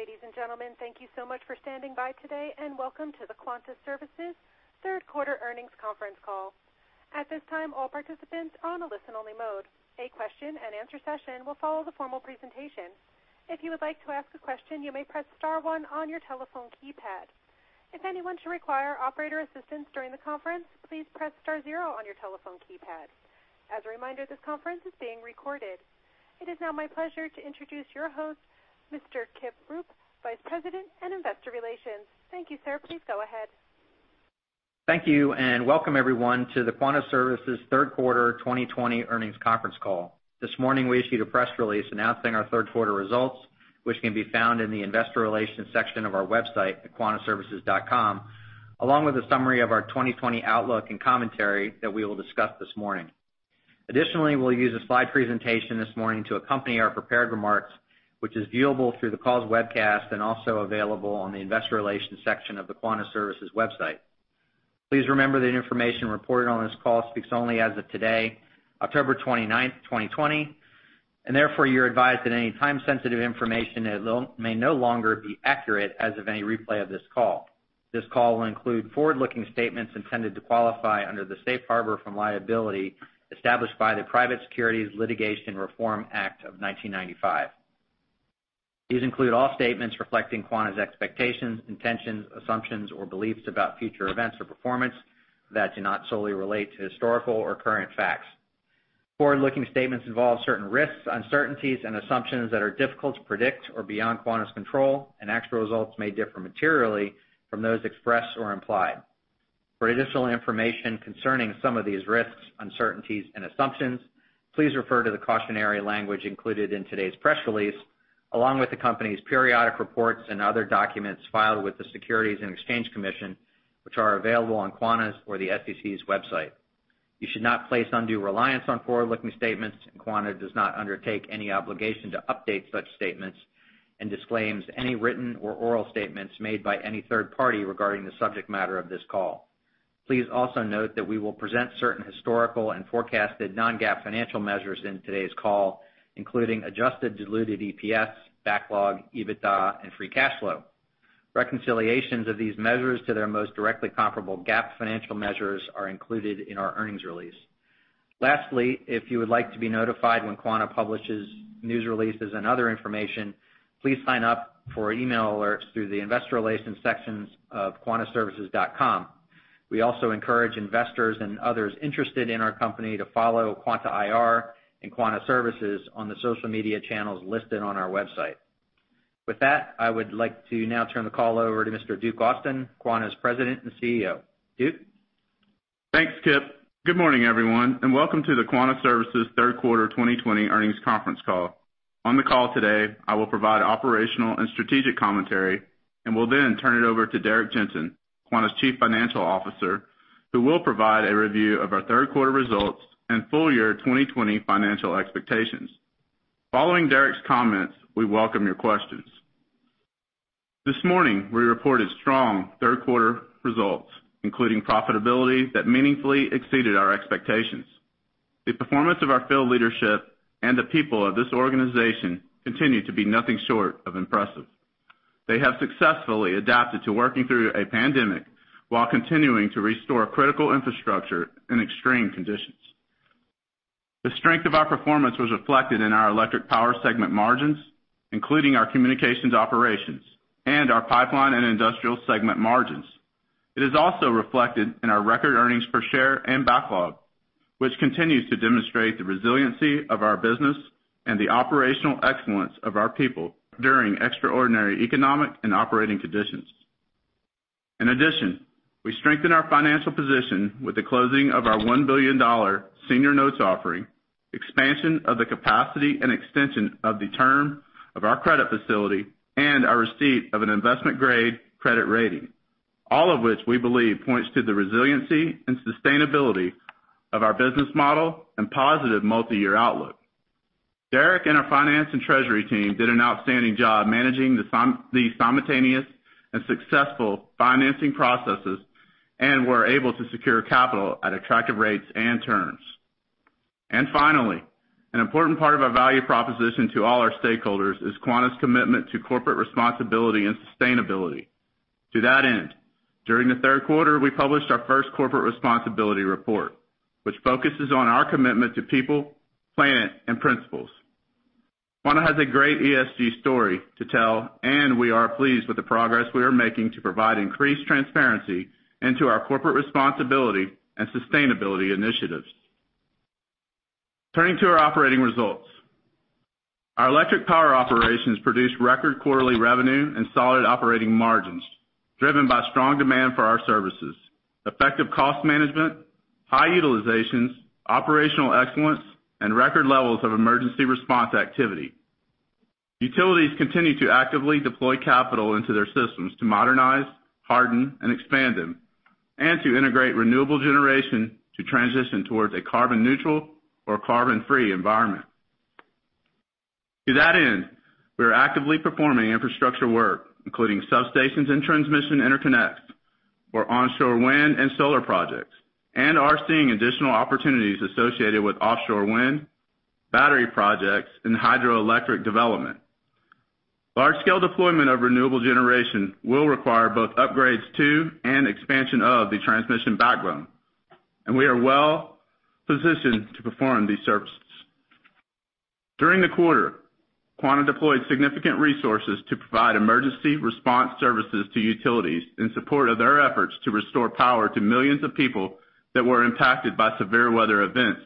Ladies and gentlemen, thank you so much for standing by today, and welcome to the Quanta Services Third Quarter Earnings Conference Call. At this time, all participants are on a listen-only mode. A question-and-answer session will follow the formal presentation. If you would like to ask a question, you may press star one on your telephone keypad. If anyone should require operator assistance during the conference, please press star zero on your telephone keypad. As a reminder, this conference is being recorded. It is now my pleasure to introduce your host, Mr. Kip Rupp, Vice President of Investor Relations. Thank you, sir. Please go ahead. Thank you, and welcome everyone to the Quanta Services Third Quarter 2020 Earnings Conference Call. This morning, we issued a press release announcing our third quarter results, which can be found in the Investor Relations section of our website, thequantaservices.com, along with a summary of our 2020 outlook and commentary that we will discuss this morning. Additionally, we'll use a slide presentation this morning to accompany our prepared remarks, which is viewable through the call's webcast and also available on the Investor Relations section of the Quanta Services website. Please remember that information reported on this call speaks only as of today, October 29, 2020, and therefore you're advised that any time-sensitive information may no longer be accurate as of any replay of this call. This call will include forward-looking statements intended to qualify under the Safe Harbor from liability established by the Private Securities Litigation Reform Act of 1995. These include all statements reflecting Quanta's expectations, intentions, assumptions, or beliefs about future events or performance that do not solely relate to historical or current facts. Forward-looking statements involve certain risks, uncertainties, and assumptions that are difficult to predict or beyond Quanta's control, and actual results may differ materially from those expressed or implied. For additional information concerning some of these risks, uncertainties, and assumptions, please refer to the cautionary language included in today's press release, along with the company's periodic reports and other documents filed with the Securities and Exchange Commission, which are available on Quanta's or the SEC's website. You should not place undue reliance on forward-looking statements, and Quanta does not undertake any obligation to update such statements and disclaims any written or oral statements made by any third party regarding the subject matter of this call. Please also note that we will present certain historical and forecasted non-GAAP financial measures in today's call, including adjusted diluted EPS, backlog, EBITDA, and free cash flow. Reconciliations of these measures to their most directly comparable GAAP financial measures are included in our earnings release. Lastly, if you would like to be notified when Quanta publishes news releases and other information, please sign up for email alerts through the Investor Relations sections of quantaservices.com. We also encourage investors and others interested in our company to follow Quanta IR and Quanta Services on the social media channels listed on our website. With that, I would like to now turn the call over to Mr. Duke Austin, Quanta's President and CEO. Duke. Thanks, Kip. Good morning, everyone, and welcome to the Quanta Services Third Quarter 2020 Earnings Conference Call. On the call today, I will provide operational and strategic commentary, and we'll then turn it over to Derrick Jensen, Quanta's Chief Financial Officer, who will provide a review of our third quarter results and full year 2020 financial expectations. Following Derrick's comments, we welcome your questions. This morning, we reported strong third quarter results, including profitability that meaningfully exceeded our expectations. The performance of our field leadership and the people of this organization continued to be nothing short of impressive. They have successfully adapted to working through a pandemic while continuing to restore critical infrastructure in extreme conditions. The strength of our performance was reflected in our electric power segment margins, including our communications operations and our pipeline and industrial segment margins. It is also reflected in our record earnings per share and backlog, which continues to demonstrate the resiliency of our business and the operational excellence of our people during extraordinary economic and operating conditions. In addition, we strengthened our financial position with the closing of our $1 billion senior notes offering, expansion of the capacity, and extension of the term of our credit facility, and our receipt of an investment-grade credit rating, all of which we believe points to the resiliency and sustainability of our business model and positive multi-year outlook. Derrick and our finance and treasury team did an outstanding job managing the simultaneous and successful financing processes and were able to secure capital at attractive rates and terms. Finally, an important part of our value proposition to all our stakeholders is Quanta's commitment to corporate responsibility and sustainability. To that end, during the third quarter, we published our first corporate responsibility report, which focuses on our commitment to people, planet, and principles. Quanta has a great ESG story to tell, and we are pleased with the progress we are making to provide increased transparency into our corporate responsibility and sustainability initiatives. Turning to our operating results, our electric power operations produced record quarterly revenue and solid operating margins driven by strong demand for our services, effective cost management, high utilizations, operational excellence, and record levels of emergency response activity. Utilities continue to actively deploy capital into their systems to modernize, harden, and expand them, and to integrate renewable generation to transition towards a carbon-neutral or carbon-free environment. To that end, we are actively performing infrastructure work, including substations and transmission interconnects for onshore wind and solar projects, and are seeing additional opportunities associated with offshore wind, battery projects, and hydroelectric development. Large-scale deployment of renewable generation will require both upgrades to and expansion of the transmission backbone, and we are well positioned to perform these services. During the quarter, Quanta deployed significant resources to provide emergency response services to utilities in support of their efforts to restore power to millions of people that were impacted by severe weather events.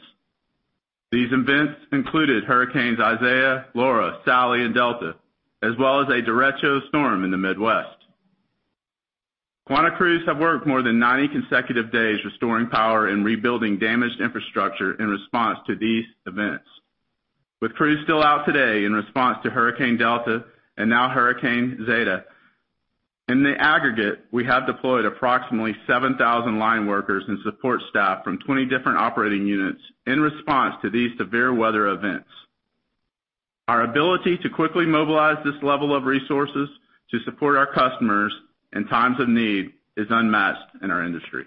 These events included hurricanes Isaias, Laura, Sally, and Delta, as well as a Derecho storm in the Midwest. Quanta crews have worked more than 90 consecutive days restoring power and rebuilding damaged infrastructure in response to these events. With crews still out today in response to Hurricane Delta and now Hurricane Zeta, in the aggregate, we have deployed approximately 7,000 line workers and support staff from 20 different operating units in response to these severe weather events. Our ability to quickly mobilize this level of resources to support our customers in times of need is unmatched in our industry.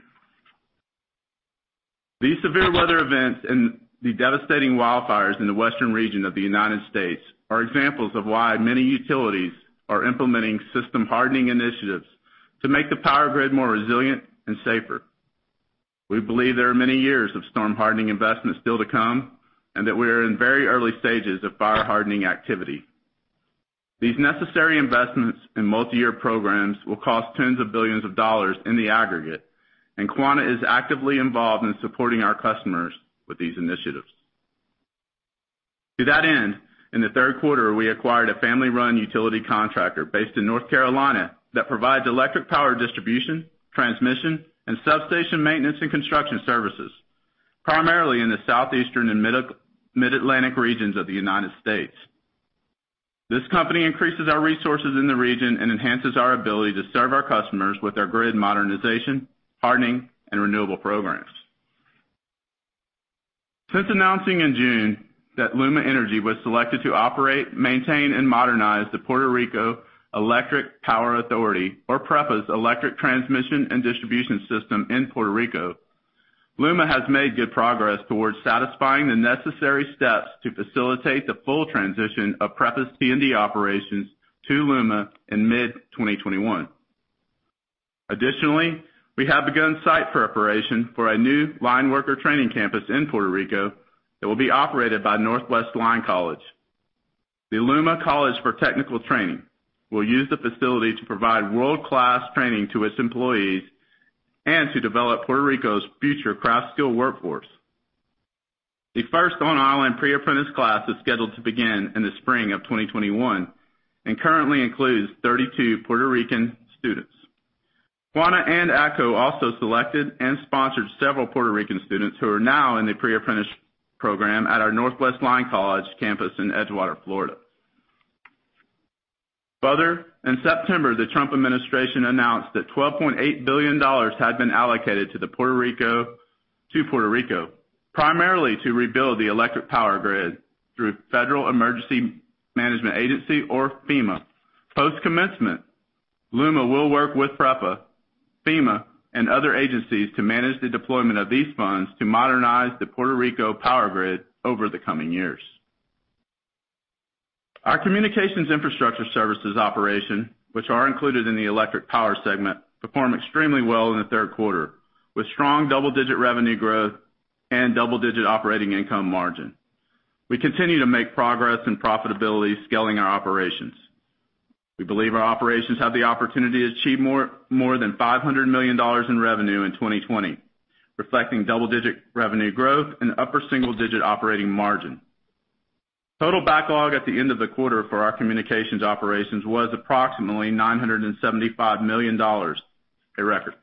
These severe weather events and the devastating wildfires in the western region of the United States are examples of why many utilities are implementing system hardening initiatives to make the power grid more resilient and safer. We believe there are many years of storm hardening investments still to come and that we are in very early stages of fire-hardening activity. These necessary investments and multi-year programs will cost tens of billions of dollars in the aggregate, and Quanta is actively involved in supporting our customers with these initiatives. To that end, in the third quarter, we acquired a family-run utility contractor based in North Carolina that provides electric power distribution, transmission, and substation maintenance and construction services, primarily in the southeastern and mid-Atlantic regions of the United States. This company increases our resources in the region and enhances our ability to serve our customers with our grid modernization, hardening, and renewable programs. Since announcing in June that LUMA Energy was selected to operate, maintain, and modernize the Puerto Rico Electric Power Authority, or PREPA's electric transmission and distribution system in Puerto Rico, LUMA has made good progress towards satisfying the necessary steps to facilitate the full transition of PREPA's T&D operations to LUMA in mid-2021. Additionally, we have begun site preparation for a new line worker training campus in Puerto Rico that will be operated by Northwest Lineman College. The LUMA College for Technical Training will use the facility to provide world-class training to its employees and to develop Puerto Rico's future craft skill workforce. The first on-island pre-apprentice class is scheduled to begin in the spring of 2021 and currently includes 32 Puerto Rican students. Quanta and ATCO also selected and sponsored several Puerto Rican students who are now in the pre-apprentice program at our Northwest Lineman College campus in Edgewater, Florida. Further, in September, the Trump Administration announced that $12.8 billion had been allocated to Puerto Rico, primarily to rebuild the electric power grid through Federal Emergency Management Agency, or FEMA. Post-commencement, LUMA will work with PREPA, FEMA, and other agencies to manage the deployment of these funds to modernize the Puerto Rico power grid over the coming years. Our communications infrastructure services operation, which are included in the electric power segment, performed extremely well in the third quarter, with strong double-digit revenue growth and double-digit operating income margin. We continue to make progress in profitability, scaling our operations. We believe our operations have the opportunity to achieve more than $500 million in revenue in 2020, reflecting double-digit revenue growth and upper single-digit operating margin. Total backlog at the end of the quarter for our communications operations was approximately $975 million, a record.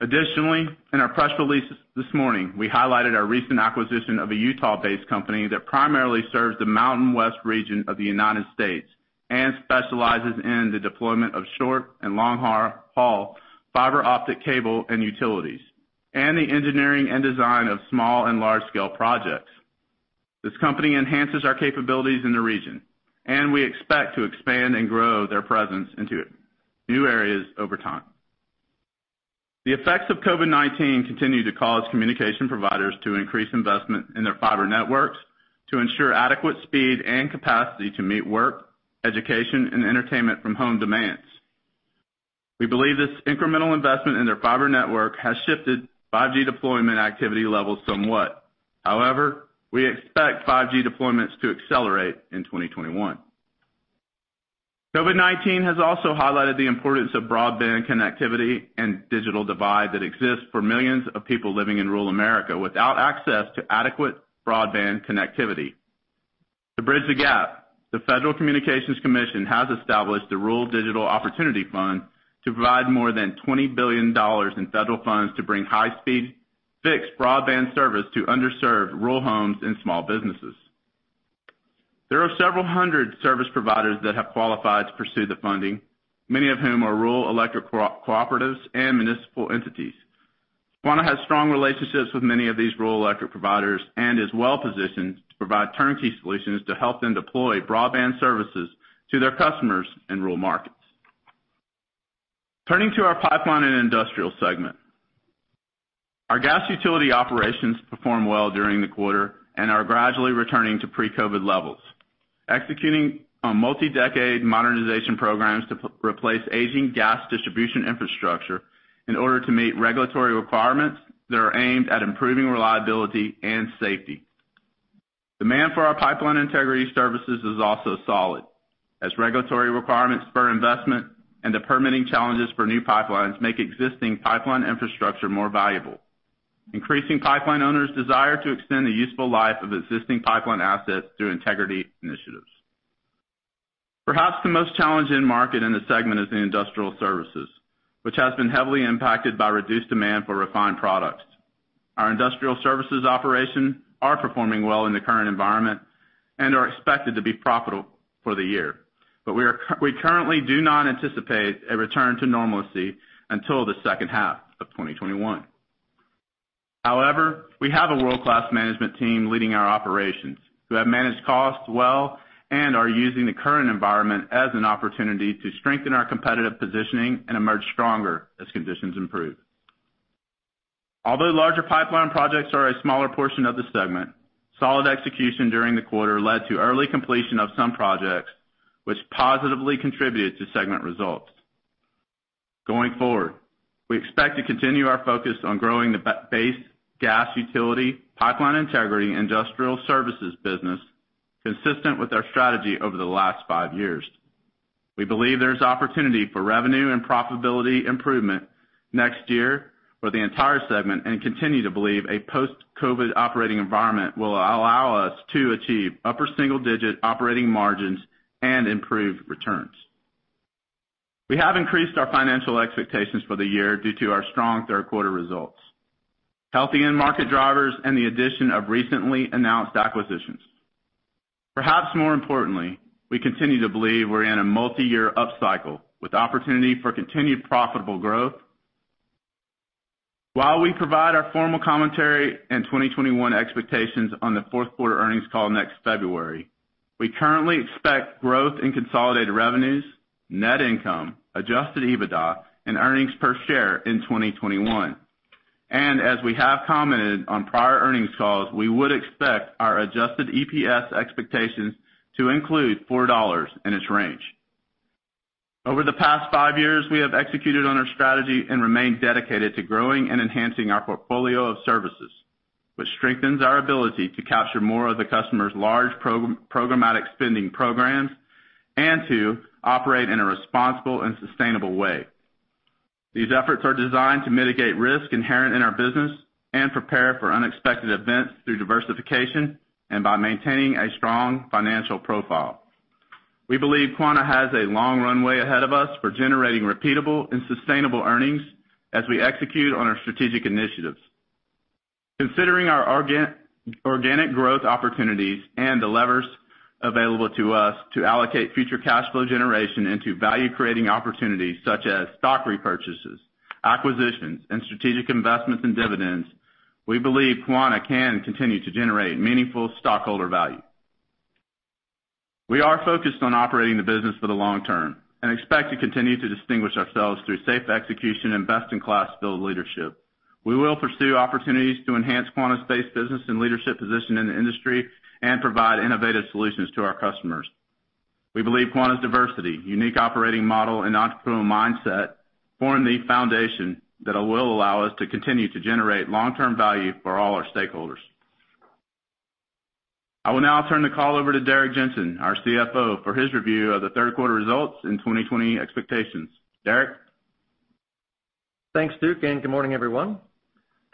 Additionally, in our press release this morning, we highlighted our recent acquisition of a Utah-based company that primarily serves the Mountain West region of the United States and specializes in the deployment of short and long-haul fiber optic cable and utilities, and the engineering and design of small and large-scale projects. This company enhances our capabilities in the region, and we expect to expand and grow their presence into new areas over time. The effects of COVID-19 continue to cause communication providers to increase investment in their fiber networks to ensure adequate speed and capacity to meet work, education, and entertainment from home demands. We believe this incremental investment in their fiber network has shifted 5G deployment activity levels somewhat. However, we expect 5G deployments to accelerate in 2021. COVID-19 has also highlighted the importance of broadband connectivity and digital divide that exists for millions of people living in rural America without access to adequate broadband connectivity. To bridge the gap, the Federal Communications Commission has established the Rural Digital Opportunity Fund to provide more than $20 billion in federal funds to bring high-speed fixed broadband service to underserved rural homes and small businesses. There are several hundred service providers that have qualified to pursue the funding, many of whom are rural electric cooperatives and municipal entities. Quanta has strong relationships with many of these rural electric providers and is well positioned to provide turnkey solutions to help them deploy broadband services to their customers in rural markets. Turning to our pipeline and industrial segment, our gas utility operations performed well during the quarter and are gradually returning to pre-COVID levels, executing multi-decade modernization programs to replace aging gas distribution infrastructure in order to meet regulatory requirements that are aimed at improving reliability and safety. Demand for our pipeline integrity services is also solid, as regulatory requirements for investment and the permitting challenges for new pipelines make existing pipeline infrastructure more valuable, increasing pipeline owners' desire to extend the useful life of existing pipeline assets through integrity initiatives. Perhaps the most challenging market in the segment is the industrial services, which has been heavily impacted by reduced demand for refined products. Our industrial services operations are performing well in the current environment and are expected to be profitable for the year, but we currently do not anticipate a return to normalcy until the second half of 2021. However, we have a world-class management team leading our operations who have managed costs well and are using the current environment as an opportunity to strengthen our competitive positioning and emerge stronger as conditions improve. Although larger pipeline projects are a smaller portion of the segment, solid execution during the quarter led to early completion of some projects, which positively contributed to segment results. Going forward, we expect to continue our focus on growing the base gas utility pipeline integrity industrial services business consistent with our strategy over the last five years. We believe there is opportunity for revenue and profitability improvement next year for the entire segment and continue to believe a post-COVID operating environment will allow us to achieve upper single-digit operating margins and improved returns. We have increased our financial expectations for the year due to our strong third-quarter results, healthy end market drivers, and the addition of recently announced acquisitions. Perhaps more importantly, we continue to believe we're in a multi-year upcycle with opportunity for continued profitable growth. While we provide our formal commentary and 2021 expectations on the fourth quarter earnings call next February, we currently expect growth in consolidated revenues, net income, adjusted EBITDA, and earnings per share in 2021. As we have commented on prior earnings calls, we would expect our adjusted EPS expectations to include $4 in its range. Over the past five years, we have executed on our strategy and remained dedicated to growing and enhancing our portfolio of services, which strengthens our ability to capture more of the customer's large programmatic spending programs and to operate in a responsible and sustainable way. These efforts are designed to mitigate risk inherent in our business and prepare for unexpected events through diversification and by maintaining a strong financial profile. We believe Quanta has a long runway ahead of us for generating repeatable and sustainable earnings as we execute on our strategic initiatives. Considering our organic growth opportunities and the levers available to us to allocate future cash flow generation into value-creating opportunities such as stock repurchases, acquisitions, and strategic investments in dividends, we believe Quanta can continue to generate meaningful stockholder value. We are focused on operating the business for the long term and expect to continue to distinguish ourselves through safe execution and best-in-class field leadership. We will pursue opportunities to enhance Quanta's base business and leadership position in the industry and provide innovative solutions to our customers. We believe Quanta's diversity, unique operating model, and entrepreneurial mindset form the foundation that will allow us to continue to generate long-term value for all our stakeholders. I will now turn the call over to Derrick Jensen, our CFO, for his review of the third-quarter results and 2020 expectations. Derrick. Thanks, Duke, and good morning, everyone.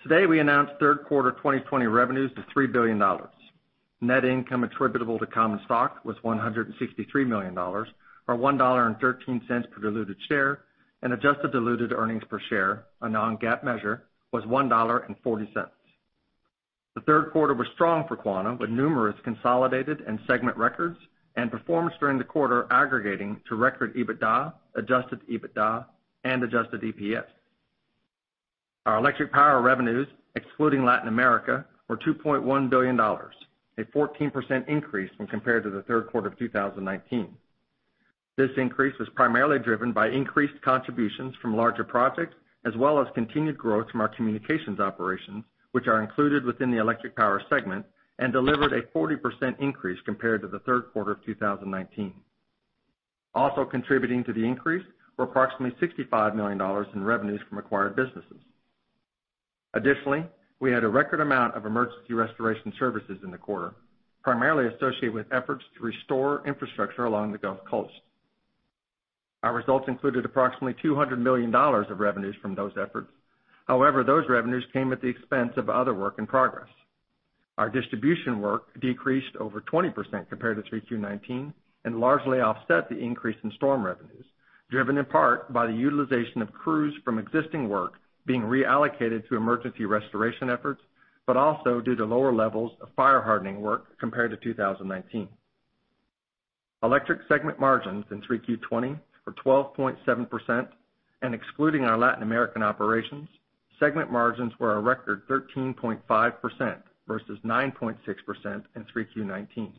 Today, we announced third-quarter 2020 revenues of $3 billion. Net income attributable to common stock was $163 million, or $1.13 per diluted share, and adjusted diluted earnings per share, a non-GAAP measure, was $1.40. The third quarter was strong for Quanta, with numerous consolidated and segment records and performance during the quarter aggregating to record EBITDA, adjusted EBITDA, and adjusted EPS. Our electric power revenues, excluding Latin America, were $2.1 billion, a 14% increase when compared to the third quarter of 2019. This increase was primarily driven by increased contributions from larger projects, as well as continued growth from our communications operations, which are included within the electric power segment and delivered a 40% increase compared to the third quarter of 2019. Also contributing to the increase were approximately $65 million in revenues from acquired businesses. Additionally, we had a record amount of emergency restoration services in the quarter, primarily associated with efforts to restore infrastructure along the Gulf Coast. Our results included approximately $200 million of revenues from those efforts. However, those revenues came at the expense of other work in progress. Our distribution work decreased over 20% compared to 3Q 2019 and largely offset the increase in storm revenues, driven in part by the utilization of crews from existing work being reallocated to emergency restoration efforts, but also due to lower levels of fire-hardening work compared to 2019. Electric segment margins in 3Q 2020 were 12.7%, and excluding our Latin American operations, segment margins were a record 13.5% versus 9.6% in 3Q 2019.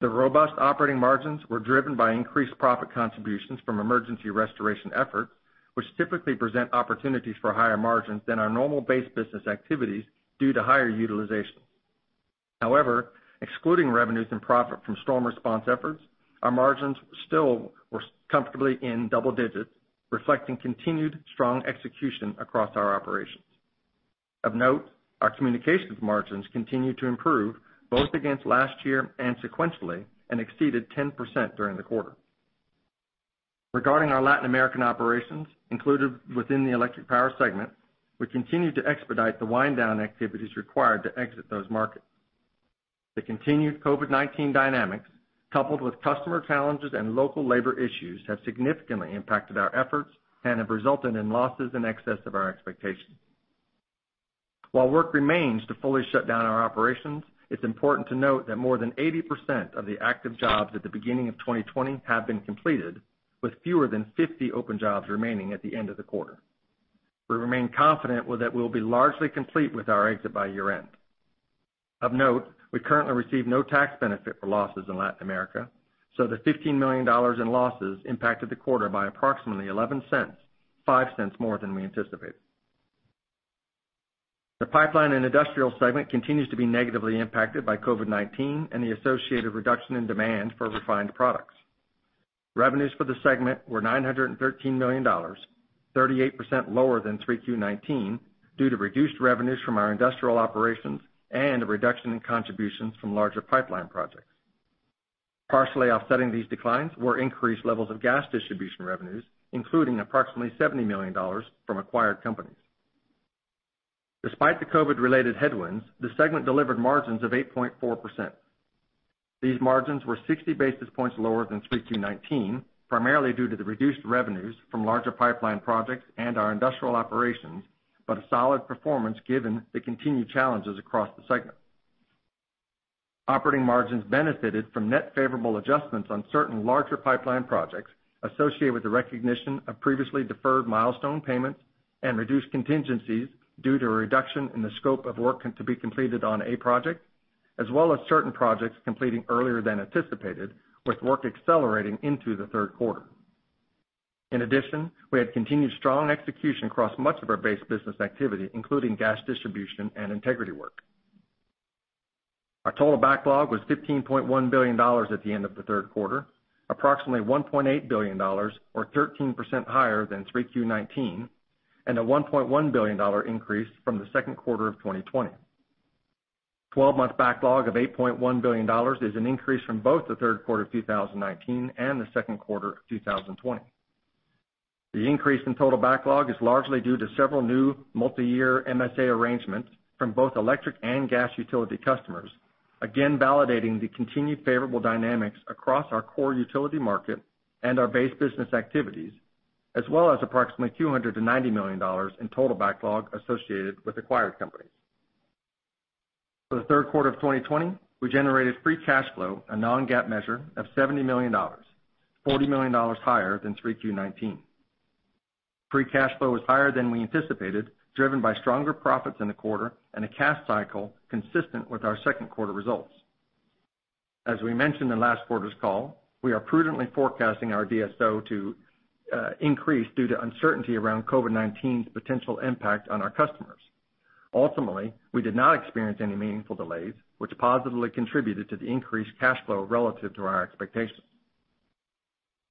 The robust operating margins were driven by increased profit contributions from emergency restoration efforts, which typically present opportunities for higher margins than our normal base business activities due to higher utilization. However, excluding revenues and profit from storm response efforts, our margins still were comfortably in double digits, reflecting continued strong execution across our operations. Of note, our communications margins continued to improve both against last year and sequentially and exceeded 10% during the quarter. Regarding our Latin American operations included within the electric power segment, we continue to expedite the wind-down activities required to exit those markets. The continued COVID-19 dynamics, coupled with customer challenges and local labor issues, have significantly impacted our efforts and have resulted in losses in excess of our expectations. While work remains to fully shut down our operations, it's important to note that more than 80% of the active jobs at the beginning of 2020 have been completed, with fewer than 50 open jobs remaining at the end of the quarter. We remain confident that we'll be largely complete with our exit by year-end. Of note, we currently receive no tax benefit for losses in Latin America, so the $15 million in losses impacted the quarter by approximately $0.11, five cents more than we anticipated. The pipeline and industrial segment continues to be negatively impacted by COVID-19 and the associated reduction in demand for refined products. Revenues for the segment were $913 million, 38% lower than 3Q 2019, due to reduced revenues from our industrial operations and a reduction in contributions from larger pipeline projects. Partially offsetting these declines were increased levels of gas distribution revenues, including approximately $70 million from acquired companies. Despite the COVID-related headwinds, the segment delivered margins of 8.4%. These margins were 60 basis points lower than 3Q 2019, primarily due to the reduced revenues from larger pipeline projects and our industrial operations, but solid performance given the continued challenges across the segment. Operating margins benefited from net favorable adjustments on certain larger pipeline projects associated with the recognition of previously deferred milestone payments and reduced contingencies due to a reduction in the scope of work to be completed on a project, as well as certain projects completing earlier than anticipated, with work accelerating into the third quarter. In addition, we had continued strong execution across much of our base business activity, including gas distribution and integrity work. Our total backlog was $15.1 billion at the end of the third quarter, approximately $1.8 billion, or 13% higher than 3Q 2019, and a $1.1 billion increase from the second quarter of 2020. Twelve-month backlog of $8.1 billion is an increase from both the third quarter of 2019 and the second quarter of 2020. The increase in total backlog is largely due to several new multi-year MSA arrangements from both electric and gas utility customers, again validating the continued favorable dynamics across our core utility market and our base business activities, as well as approximately $290 million in total backlog associated with acquired companies. For the third quarter of 2020, we generated free cash flow, a non-GAAP measure, of $70 million, $40 million higher than 3Q 2019. Free cash flow was higher than we anticipated, driven by stronger profits in the quarter and a cash cycle consistent with our second quarter results. As we mentioned in last quarter's call, we are prudently forecasting our DSO to increase due to uncertainty around COVID-19's potential impact on our customers. Ultimately, we did not experience any meaningful delays, which positively contributed to the increased cash flow relative to our expectations.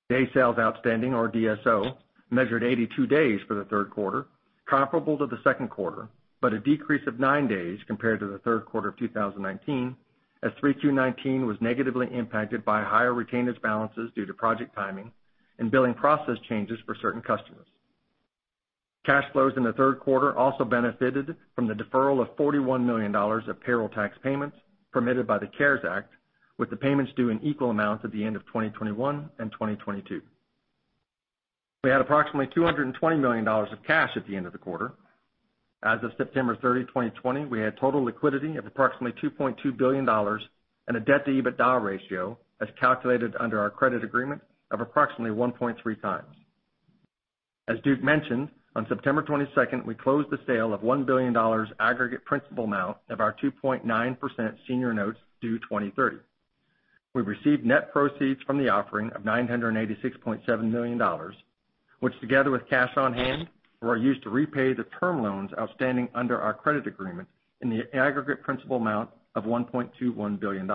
Day sales outstanding, or DSO, measured 82 days for the third quarter, comparable to the second quarter, but a decrease of nine days compared to the third quarter of 2019, as 3Q19 was negatively impacted by higher retainers' balances due to project timing and billing process changes for certain customers. Cash flows in the third quarter also benefited from the deferral of $41 million of payroll tax payments permitted by the CARES Act, with the payments due in equal amounts at the end of 2021 and 2022. We had approximately $220 million of cash at the end of the quarter. As of September 30, 2020, we had total liquidity of approximately $2.2 billion and a debt-to-EBITDA ratio as calculated under our credit agreement of approximately 1.3x. As Duke mentioned, on September 22, we closed the sale of $1 billion aggregate principal amount of our 2.9% senior notes due 2030. We received net proceeds from the offering of $986.7 million, which together with cash on hand were used to repay the term loans outstanding under our credit agreement in the aggregate principal amount of $1.21 billion.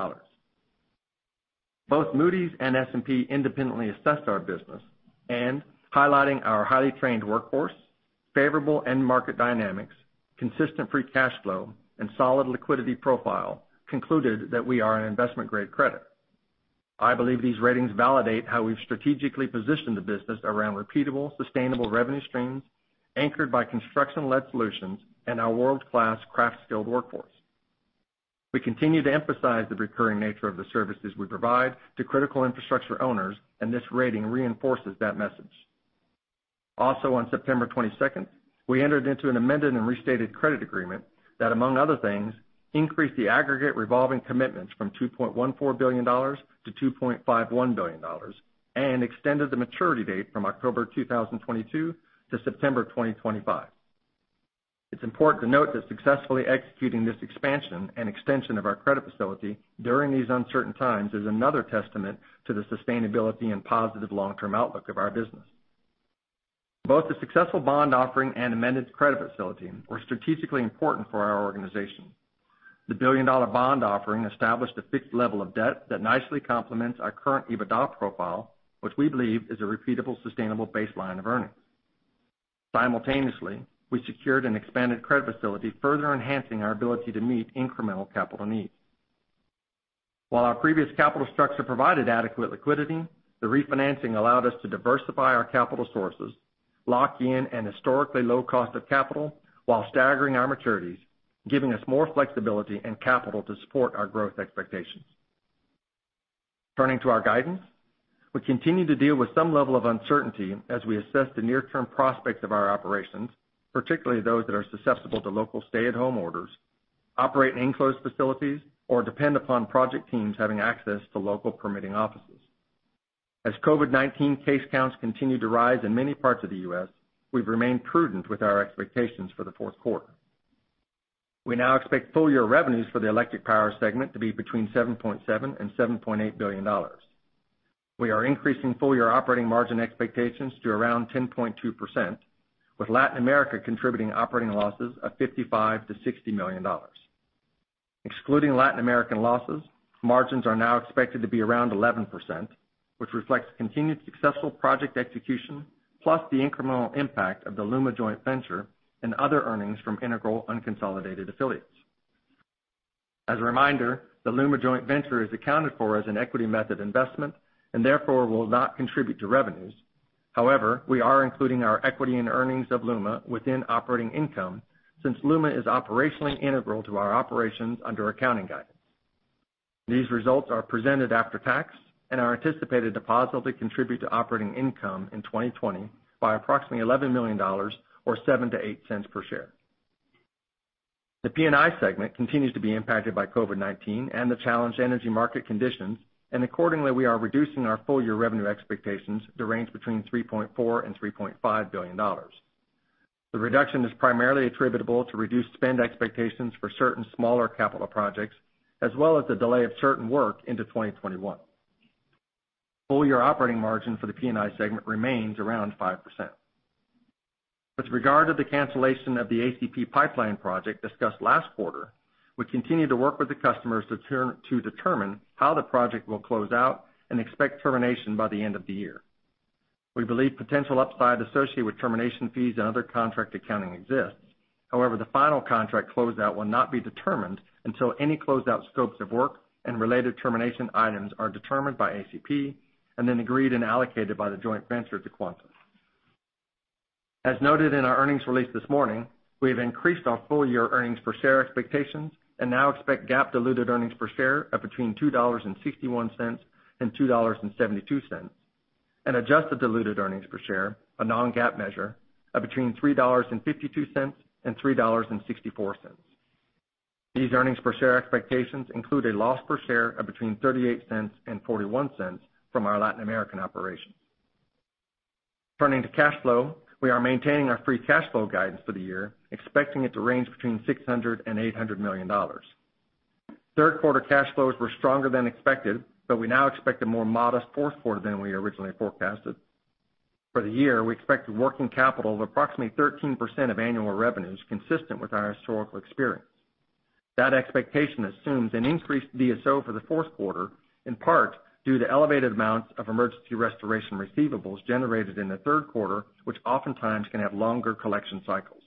Both Moody's and S&P independently assessed our business, and highlighting our highly trained workforce, favorable end market dynamics, consistent free cash flow, and solid liquidity profile concluded that we are an investment-grade credit. I believe these ratings validate how we've strategically positioned the business around repeatable, sustainable revenue streams anchored by construction-led solutions and our world-class craft-skilled workforce. We continue to emphasize the recurring nature of the services we provide to critical infrastructure owners, and this rating reinforces that message. Also, on September 22nd, we entered into an amended and restated credit agreement that, among other things, increased the aggregate revolving commitments from $2.14 billion to $2.51 billion and extended the maturity date from October 2022 to September 2025. It's important to note that successfully executing this expansion and extension of our credit facility during these uncertain times is another testament to the sustainability and positive long-term outlook of our business. Both the successful bond offering and amended credit facility were strategically important for our organization. The billion-dollar bond offering established a fixed level of debt that nicely complements our current EBITDA profile, which we believe is a repeatable, sustainable baseline of earnings. Simultaneously, we secured an expanded credit facility, further enhancing our ability to meet incremental capital needs. While our previous capital structure provided adequate liquidity, the refinancing allowed us to diversify our capital sources, lock in an historically low cost of capital while staggering our maturities, giving us more flexibility and capital to support our growth expectations. Turning to our guidance, we continue to deal with some level of uncertainty as we assess the near-term prospects of our operations, particularly those that are susceptible to local stay-at-home orders, operate in enclosed facilities, or depend upon project teams having access to local permitting offices. As COVID-19 case counts continue to rise in many parts of the U.S., we've remained prudent with our expectations for the fourth quarter. We now expect full-year revenues for the electric power segment to be between $7.7 billion and $7.8 billion. We are increasing full-year operating margin expectations to around 10.2%, with Latin America contributing operating losses of $55 million-$60 million. Excluding Latin American losses, margins are now expected to be around 11%, which reflects continued successful project execution, plus the incremental impact of the LUMA Joint Venture and other earnings from integral unconsolidated affiliates. As a reminder, the LUMA Joint Venture is accounted for as an equity-method investment and therefore will not contribute to revenues. However, we are including our equity and earnings of LUMA within operating income since LUMA is operationally integral to our operations under accounting guidance. These results are presented after tax, and our anticipated deposit will contribute to operating income in 2020 by approximately $11 million, or $0.078 per share. The P&I segment continues to be impacted by COVID-19 and the challenged energy market conditions, and accordingly, we are reducing our full-year revenue expectations to range between $3.4 billion-$3.5 billion. The reduction is primarily attributable to reduced spend expectations for certain smaller capital projects, as well as the delay of certain work into 2021. Full-year operating margin for the P&I segment remains around 5%. With regard to the cancellation of the ACP pipeline project discussed last quarter, we continue to work with the customers to determine how the project will close out and expect termination by the end of the year. We believe potential upside associated with termination fees and other contract accounting exists. However, the final contract closeout will not be determined until any closeout scopes of work and related termination items are determined by ACP and then agreed and allocated by the joint venture to Quanta. As noted in our earnings release this morning, we have increased our full-year earnings per share expectations and now expect GAAP-diluted earnings per share of between $2.61 and $2.72, and adjusted diluted earnings per share, a non-GAAP measure, of between $3.52 and $3.64. These earnings per share expectations include a loss per share of between $0.38 and $0.41 from our Latin American operations. Turning to cash flow, we are maintaining our free cash flow guidance for the year, expecting it to range between $600 million and $800 million. Third quarter cash flows were stronger than expected, but we now expect a more modest fourth quarter than we originally forecasted. For the year, we expect a working capital of approximately 13% of annual revenues, consistent with our historical experience. That expectation assumes an increased DSO for the fourth quarter, in part due to elevated amounts of emergency restoration receivables generated in the third quarter, which oftentimes can have longer collection cycles.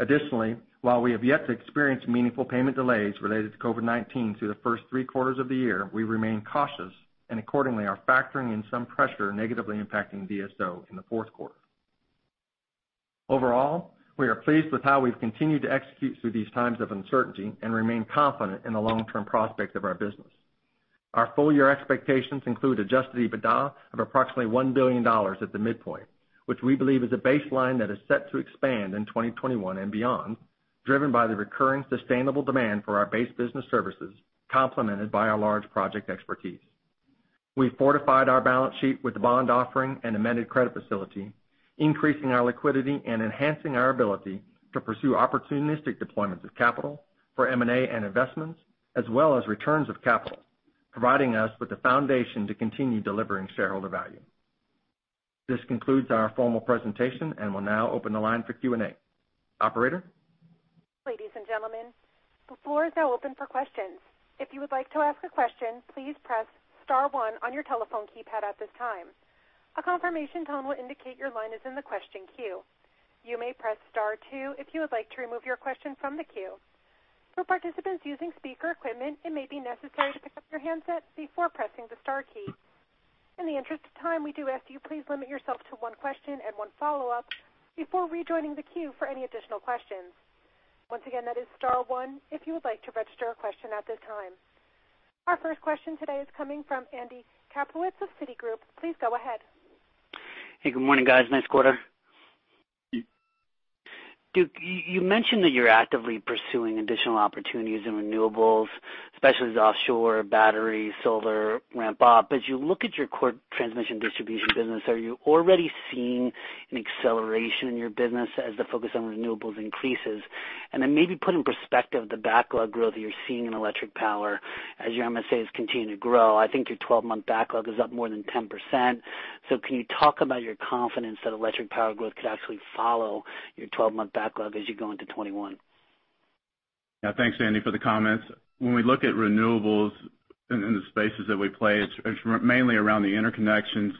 Additionally, while we have yet to experience meaningful payment delays related to COVID-19 through the first three quarters of the year, we remain cautious and accordingly are factoring in some pressure negatively impacting DSO in the fourth quarter. Overall, we are pleased with how we've continued to execute through these times of uncertainty and remain confident in the long-term prospects of our business. Our full-year expectations include adjusted EBITDA of approximately $1 billion at the midpoint, which we believe is a baseline that is set to expand in 2021 and beyond, driven by the recurring sustainable demand for our base business services, complemented by our large project expertise. We've fortified our balance sheet with the bond offering and amended credit facility, increasing our liquidity and enhancing our ability to pursue opportunistic deployments of capital for M&A and investments, as well as returns of capital, providing us with the foundation to continue delivering shareholder value. This concludes our formal presentation and will now open the line for Q&A. Operator? Ladies and gentlemen, the floor is now open for questions. If you would like to ask a question, please press Star one on your telephone keypad at this time. A confirmation tone will indicate your line is in the question queue. You may press Star two if you would like to remove your question from the queue. For participants using speaker equipment, it may be necessary to pick up your handset before pressing the Star key. In the interest of time, we do ask that you please limit yourself to one question and one follow-up before rejoining the queue for any additional questions. Once again, that is Star 1 if you would like to register a question at this time. Our first question today is coming from Andy Kaplowitz of Citigroup. Please go ahead. Hey, good morning, guys. Nice quarter. You mentioned that you're actively pursuing additional opportunities in renewables, especially offshore, batteries, solar, ramp-up. As you look at your core transmission distribution business, are you already seeing an acceleration in your business as the focus on renewables increases? Maybe put in perspective the backlog growth you're seeing in electric power as your MSAs continue to grow. I think your 12-month backlog is up more than 10%. Can you talk about your confidence that electric power growth could actually follow your 12-month backlog as you go into 2021? Yeah, thanks, Andy, for the comments. When we look at renewables and the spaces that we play, it's mainly around the interconnections.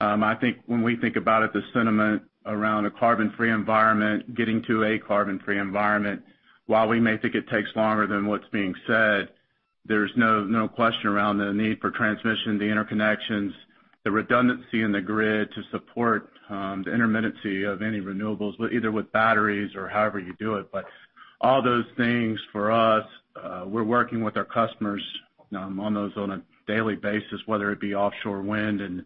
I think when we think about it, the sentiment around a carbon-free environment, getting to a carbon-free environment, while we may think it takes longer than what's being said, there's no question around the need for transmission, the interconnections, the redundancy in the grid to support the intermittency of any renewables, either with batteries or however you do it. All those things for us, we're working with our customers on those on a daily basis, whether it be offshore wind and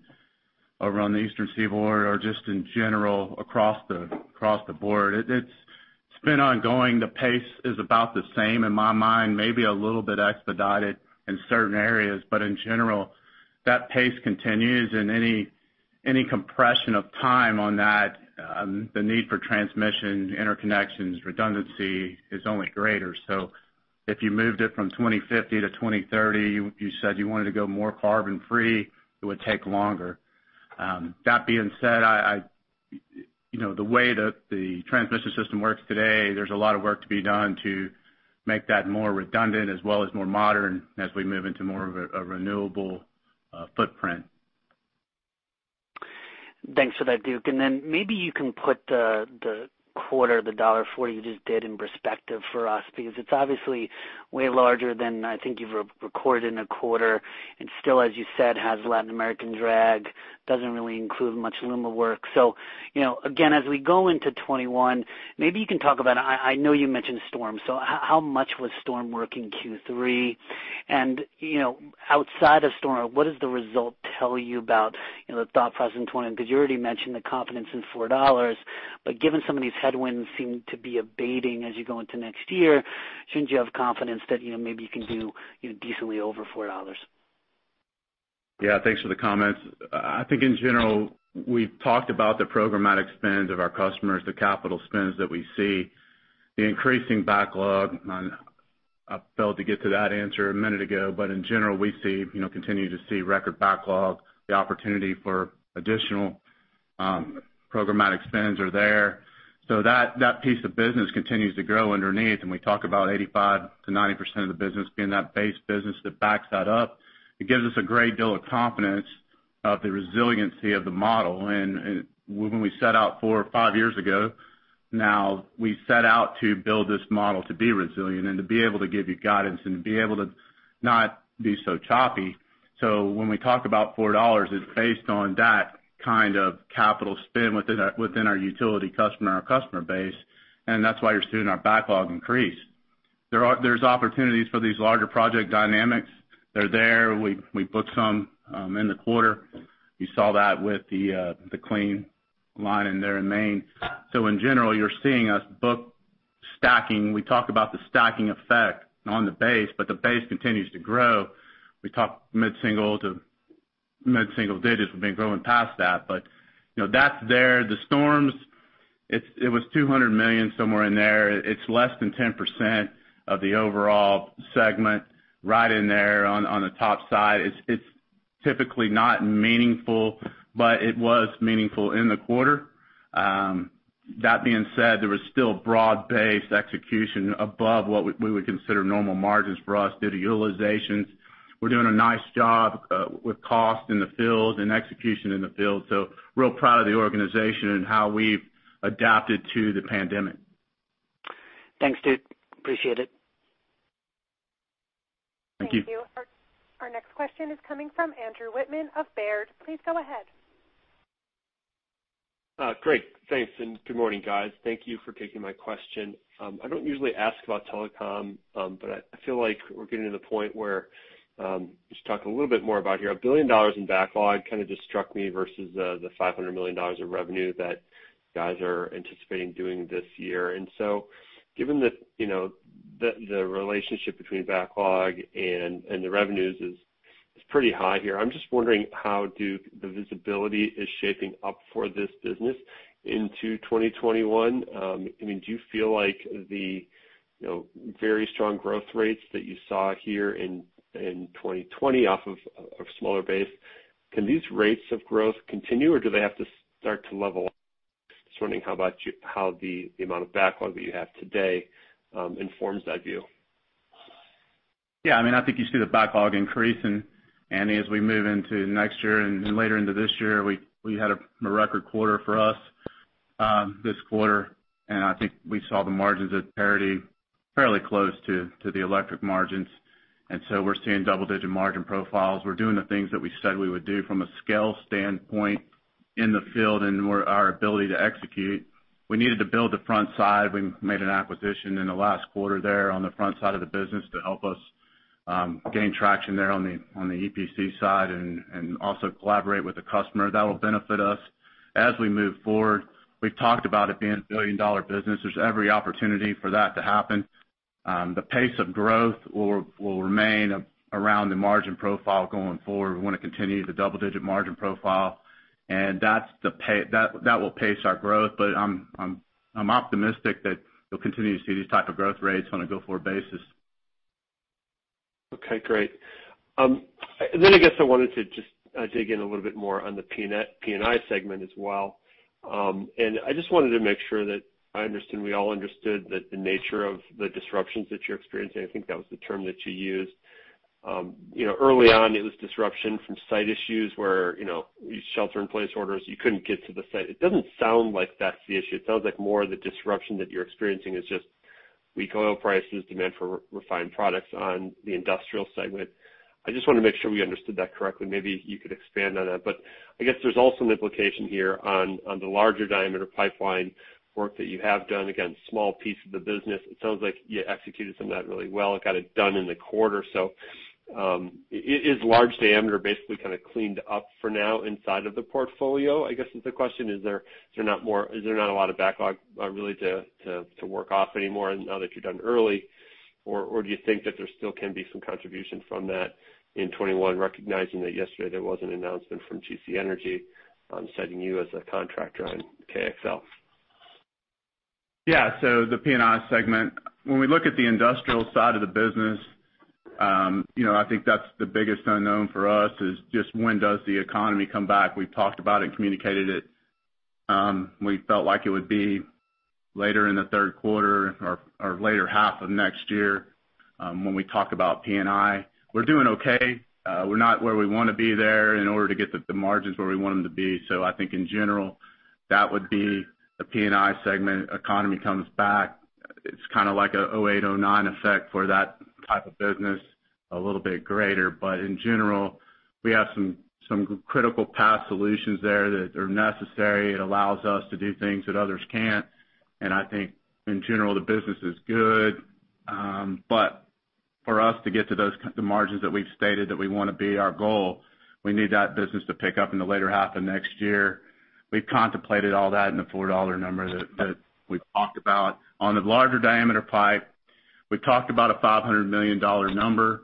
around the Eastern Seaboard or just in general across the board. It's been ongoing. The pace is about the same in my mind, maybe a little bit expedited in certain areas, but in general, that pace continues. Any compression of time on that, the need for transmission, interconnections, redundancy is only greater. If you moved it from 2050 to 2030, you said you wanted to go more carbon-free, it would take longer. That being said, the way that the transmission system works today, there is a lot of work to be done to make that more redundant as well as more modern as we move into more of a renewable footprint. Thanks for that, Duke. Maybe you can put the quarter, the $1.40 you just did in perspective for us because it is obviously way larger than I think you have recorded in a quarter and still, as you said, has Latin American drag, does not really include much LUMA Works. Again, as we go into 2021, maybe you can talk about it. I know you mentioned Storm. How much was Storm work in Q3? Outside of Storm, what does the result tell you about the thought process in 2021? Because you already mentioned the confidence in $4, but given some of these headwinds seem to be abating as you go into next year, should not you have confidence that maybe you can do decently over $4? Yeah, thanks for the comments. I think in general, we have talked about the programmatic spend of our customers, the capital spends that we see, the increasing backlog. I failed to get to that answer a minute ago, but in general, we continue to see record backlog. The opportunity for additional programmatic spends are there. That piece of business continues to grow underneath, and we talk about 85%-90% of the business being that base business that backs that up. It gives us a great deal of confidence of the resiliency of the model. When we set out four or five years ago, we set out to build this model to be resilient and to be able to give you guidance and to be able to not be so choppy. When we talk about $4, it is based on that kind of capital spend within our utility customer and our customer base, and that is why you are seeing our backlog increase. There are opportunities for these larger project dynamics. They are there. We booked some in the quarter. You saw that with the Clean Line in Maine. In general, you are seeing us book stacking. We talk about the stacking effect on the base, but the base continues to grow. We talk mid-single to mid-single digits. We've been growing past that, but that's there. The storms, it was $200 million somewhere in there. It's less than 10% of the overall segment right in there on the top side. It's typically not meaningful, but it was meaningful in the quarter. That being said, there was still broad-based execution above what we would consider normal margins for us due to utilizations. We're doing a nice job with cost in the field and execution in the field. Real proud of the organization and how we've adapted to the pandemic. Thanks, Duke. Appreciate it. Thank you. Thank you. Our next question is coming from Andrew Wittman of Baird. Please go ahead. Great. Thanks. And good morning, guys. Thank you for taking my question. I do not usually ask about telecom, but I feel like we are getting to the point where we should talk a little bit more about here. A billion dollars in backlog kind of just struck me versus the $500 million of revenue that you guys are anticipating doing this year. Given that the relationship between backlog and the revenues is pretty high here, I am just wondering how, Duke, the visibility is shaping up for this business into 2021. I mean, do you feel like the very strong growth rates that you saw here in 2020 off of a smaller base, can these rates of growth continue or do they have to start to level up? Just wondering how the amount of backlog that you have today informs that view. Yeah. I mean, I think you see the backlog increasing. Andy, as we move into next year and later into this year, we had a record quarter for us this quarter, and I think we saw the margins at parity, fairly close to the electric margins. We're seeing double-digit margin profiles. We're doing the things that we said we would do from a scale standpoint in the field and our ability to execute. We needed to build the front side. We made an acquisition in the last quarter there on the front side of the business to help us gain traction there on the EPC side and also collaborate with the customer. That will benefit us as we move forward. We've talked about it being a billion-dollar business. There's every opportunity for that to happen. The pace of growth will remain around the margin profile going forward. We want to continue the double-digit margin profile, and that will pace our growth, but I'm optimistic that you'll continue to see these types of growth rates on a go-forward basis. Okay. Great. I guess I wanted to just dig in a little bit more on the P&I segment as well. I just wanted to make sure that I understood, we all understood, the nature of the disruptions that you're experiencing. I think that was the term that you used. Early on, it was disruption from site issues where you had shelter-in-place orders. You couldn't get to the site. It doesn't sound like that's the issue. It sounds like more of the disruption that you're experiencing is just weak oil prices, demand for refined products on the industrial segment. I just want to make sure we understood that correctly. Maybe you could expand on that. I guess there's also an implication here on the larger diameter pipeline work that you have done. Again, small piece of the business. It sounds like you executed some of that really well. It got it done in the quarter. Is large diameter basically kind of cleaned up for now inside of the portfolio, I guess is the question? Is there not a lot of backlog really to work off anymore now that you're done early? Or do you think that there still can be some contribution from that in 2021, recognizing that yesterday there was an announcement from TC Energy citing you as a contractor on KXL? Yeah. The P&I segment, when we look at the industrial side of the business, I think that's the biggest unknown for us is just when does the economy come back? We've talked about it and communicated it. We felt like it would be later in the third quarter or later half of next year when we talk about P&I. We're doing okay. We're not where we want to be there in order to get the margins where we want them to be. I think in general, that would be the P&I segment. Economy comes back. It's kind of like a '08, '09 effect for that type of business, a little bit greater. In general, we have some critical path solutions there that are necessary. It allows us to do things that others can't. I think in general, the business is good. For us to get to the margins that we've stated that we want to be our goal, we need that business to pick up in the later half of next year. We've contemplated all that in the $4 number that we've talked about. On the larger diameter pipe, we've talked about a $500 million number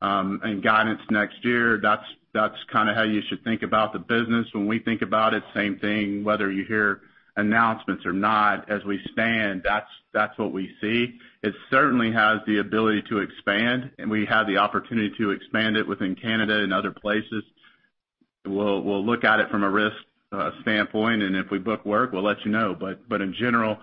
and guidance next year. That's kind of how you should think about the business. When we think about it, same thing, whether you hear announcements or not, as we stand, that's what we see. It certainly has the ability to expand, and we have the opportunity to expand it within Canada and other places. We'll look at it from a risk standpoint, and if we book work, we'll let you know. In general,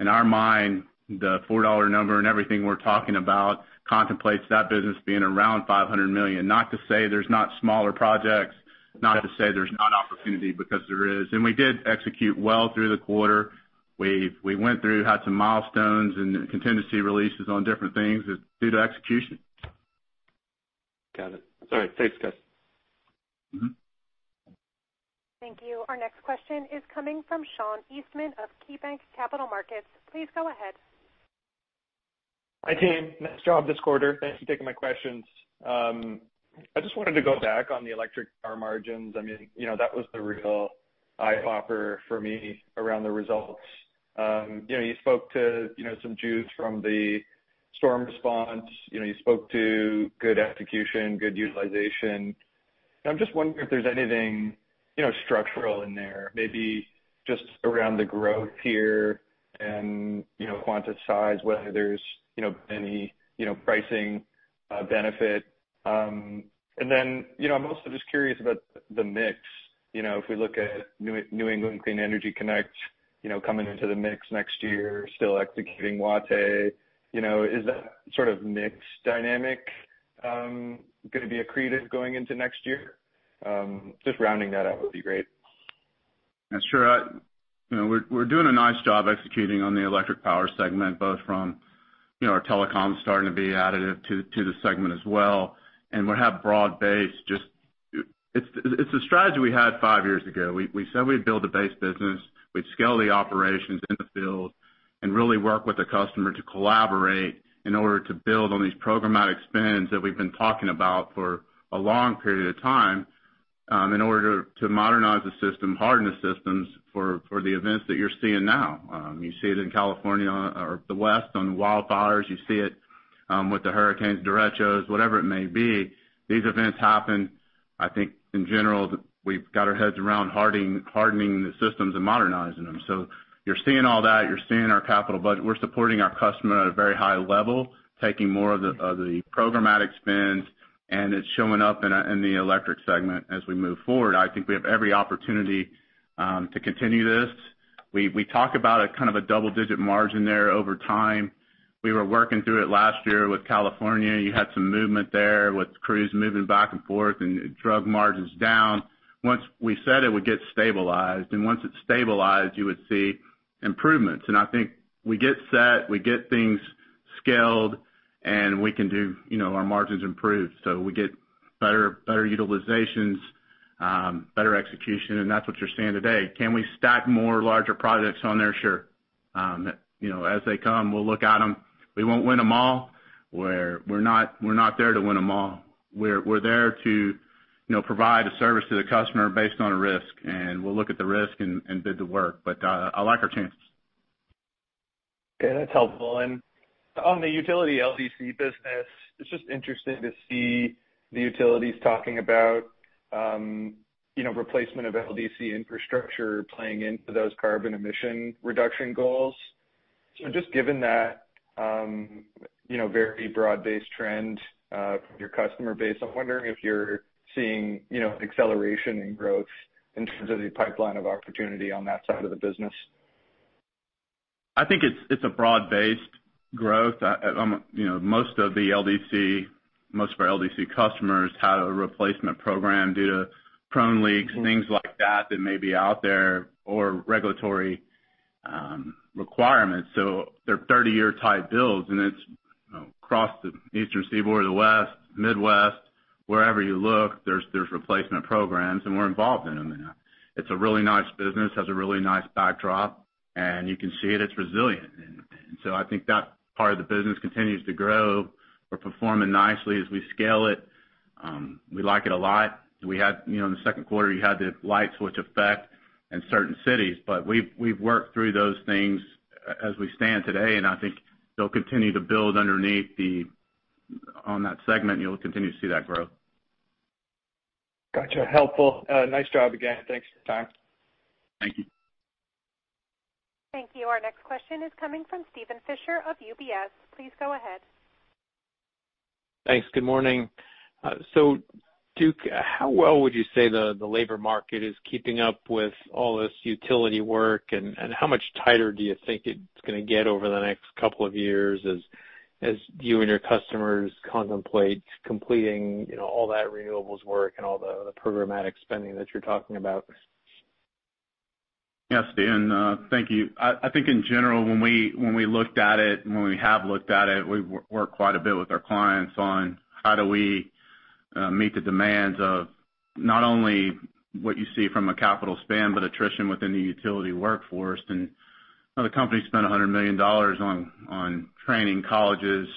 in our mind, the $4 number and everything we're talking about contemplates that business being around $500 million. Not to say there's not smaller projects, not to say there's not opportunity because there is. We did execute well through the quarter. We went through, had some milestones and contingency releases on different things due to execution. Got it. All right. Thanks, guys. Thank you. Our next question is coming from Sean Eastman of KeyBanc Capital Markets. Please go ahead. Hi, team. Nice job this quarter. Thanks for taking my questions. I just wanted to go back on the electric car margins. I mean, that was the real eye-hopper for me around the results. You spoke to some juice from the storm response. You spoke to good execution, good utilization. I'm just wondering if there's anything structural in there, maybe just around the growth here and quantitative, whether there's any pricing benefit. I am also just curious about the mix. If we look at New England Clean Energy Connect coming into the mix next year, still executing Watay, is that sort of mixed dynamic going to be accretive going into next year? Just rounding that out would be great. Yeah, sure. We're doing a nice job executing on the electric power segment, both from our telecom starting to be additive to the segment as well. And we have broad-based. It's a strategy we had five years ago. We said we'd build a base business. We'd scale the operations in the field and really work with the customer to collaborate in order to build on these programmatic spends that we've been talking about for a long period of time in order to modernize the system, harden the systems for the events that you're seeing now. You see it in California or the West on wildfires. You see it with the hurricanes, derechos, whatever it may be. These events happen. I think in general, we've got our heads around hardening the systems and modernizing them. You are seeing all that. You are seeing our capital budget. We are supporting our customer at a very high level, taking more of the programmatic spends, and it is showing up in the electric segment as we move forward. I think we have every opportunity to continue this. We talk about kind of a double-digit margin there over time. We were working through it last year with California. You had some movement there with crews moving back and forth and drug margins down. Once we said it would get stabilized, and once it stabilized, you would see improvements. I think we get set, we get things scaled, and we can do our margins improved. We get better utilizations, better execution, and that's what you're seeing today. Can we stack more larger projects on there? Sure. As they come, we'll look at them. We won't win them all. We're not there to win them all. We're there to provide a service to the customer based on a risk, and we'll look at the risk and bid the work. I like our chances. Yeah, that's helpful. On the utility LDC business, it's just interesting to see the utilities talking about replacement of LDC infrastructure playing into those carbon emission reduction goals. Just given that very broad-based trend, your customer base, I'm wondering if you're seeing acceleration in growth in terms of the pipeline of opportunity on that side of the business. I think it's a broad-based growth. Most of the LDC, most of our LDC customers had a replacement program due to prone leaks, things like that that may be out there or regulatory requirements. They are 30-year-type builds, and it is across the Eastern Seaboard, the West, Midwest. Wherever you look, there are replacement programs, and we are involved in them. It is a really nice business, has a really nice backdrop, and you can see it. It is resilient. I think that part of the business continues to grow or perform nicely as we scale it. We like it a lot. We had, in the second quarter, the light switch effect in certain cities, but we have worked through those things as we stand today, and I think they will continue to build underneath on that segment, and you will continue to see that growth. Gotcha. Helpful. Nice job again. Thanks for your time. Thank you. Thank you. Our next question is coming from Steven Fisher of UBS. Please go ahead. Thanks. Good morning. Duke, how well would you say the labor market is keeping up with all this utility work, and how much tighter do you think it's going to get over the next couple of years as you and your customers contemplate completing all that renewables work and all the programmatic spending that you're talking about? Yes. Thank you. I think in general, when we looked at it, when we have looked at it, we work quite a bit with our clients on how do we meet the demands of not only what you see from a capital span, but attrition within the utility workforce. The company spent $100 million on training colleges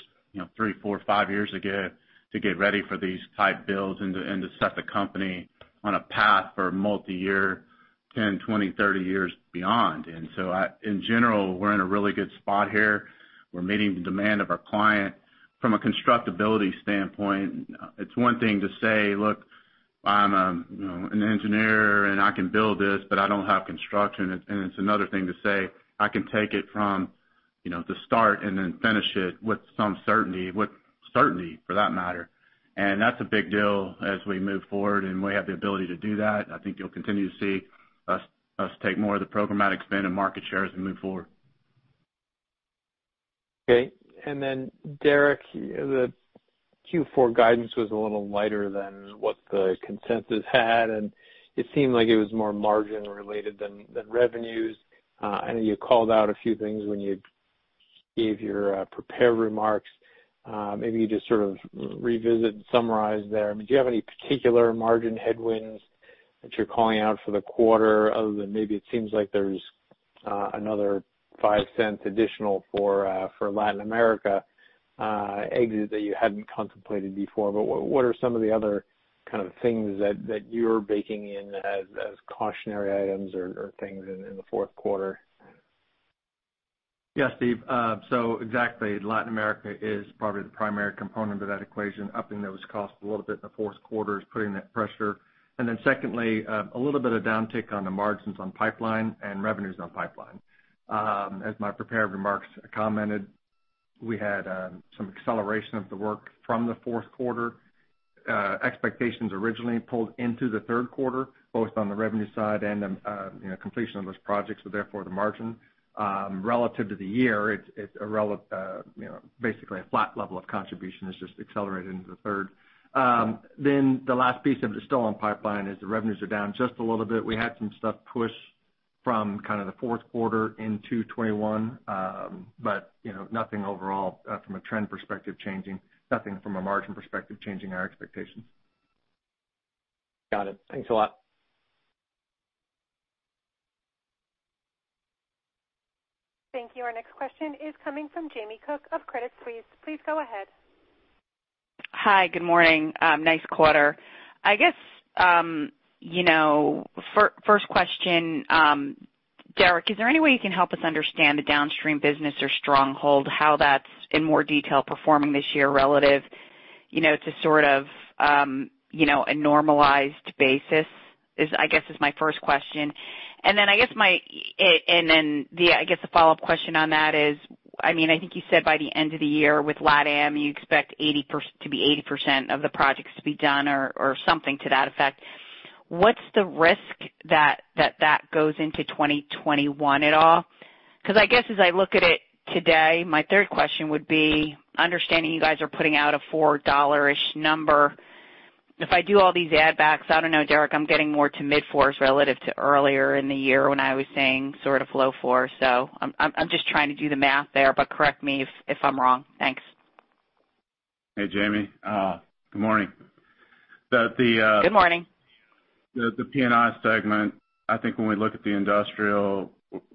three, four, five years ago to get ready for these type builds and to set the company on a path for multi-year, 10, 20, 30 years beyond. In general, we're in a really good spot here. We're meeting the demand of our client from a constructability standpoint. It's one thing to say, "Look, I'm an engineer and I can build this, but I don't have construction." It's another thing to say, "I can take it from the start and then finish it with some certainty, with certainty for that matter." That's a big deal as we move forward, and we have the ability to do that. I think you'll continue to see us take more of the programmatic spend and market shares and move forward. Okay. Derrick, the Q4 guidance was a little lighter than what the consensus had, and it seemed like it was more margin-related than revenues. I know you called out a few things when you gave your prepared remarks. Maybe you just sort of revisit and summarize there. I mean, do you have any particular margin headwinds that you're calling out for the quarter other than maybe it seems like there's another $0.05 additional for Latin America exit that you hadn't contemplated before? What are some of the other kind of things that you're baking in as cautionary items or things in the fourth quarter? Yes, Steve. Exactly. Latin America is probably the primary component of that equation. Upping those costs a little bit in the fourth quarter is putting that pressure. Secondly, a little bit of downtick on the margins on pipeline and revenues on pipeline. As my prepared remarks commented, we had some acceleration of the work from the fourth quarter. Expectations originally pulled into the third quarter, both on the revenue side and completion of those projects, so therefore the margin. Relative to the year, it's basically a flat level of contribution. It's just accelerated into the third. The last piece of it is still on pipeline as the revenues are down just a little bit. We had some stuff push from kind of the fourth quarter into 2021, but nothing overall from a trend perspective changing. Nothing from a margin perspective changing our expectations. Got it. Thanks a lot. Thank you. Our next question is coming from Jamie Cook of Credit Suisse. Please go ahead. Hi. Good morning. Nice quarter. I guess first question, Derrick, is there any way you can help us understand the downstream business or stronghold, how that's in more detail performing this year relative to sort of a normalized basis? I guess is my first question. Then I guess the follow-up question on that is, I mean, I think you said by the end of the year with LatAm, you expect to be 80% of the projects to be done or something to that effect. What's the risk that that goes into 2021 at all? Because I guess as I look at it today, my third question would be, understanding you guys are putting out a $4-ish number, if I do all these add-backs, I don't know, Derrick, I'm getting more to mid-fours relative to earlier in the year when I was saying sort of low fours. I'm just trying to do the math there, but correct me if I'm wrong. Thanks. Hey, Jamie. Good morning. The P&I segment, I think when we look at the industrial,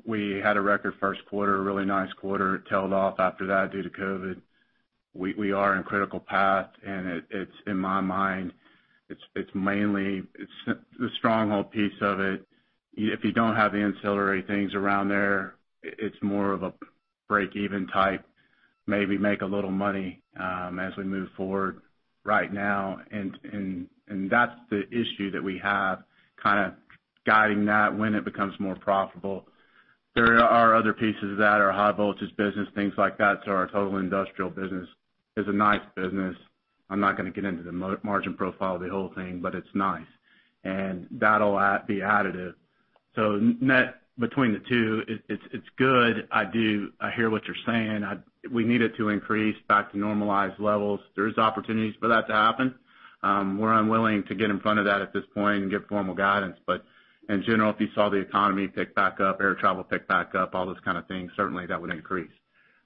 we had a record first quarter, a really nice quarter. It tailed off after that due to COVID. We are in critical path, and in my mind, it's mainly the stronghold piece of it. If you don't have the ancillary things around there, it's more of a break-even type, maybe make a little money as we move forward right now. That's the issue that we have, kind of guiding that when it becomes more profitable. There are other pieces of that, our high-voltage business, things like that. Our total industrial business is a nice business. I'm not going to get into the margin profile of the whole thing, but it's nice. That'll be additive. Between the two, it's good. I hear what you're saying. We need it to increase back to normalized levels. There's opportunities for that to happen. We're unwilling to get in front of that at this point and get formal guidance. In general, if you saw the economy pick back up, air travel pick back up, all those kind of things, certainly that would increase.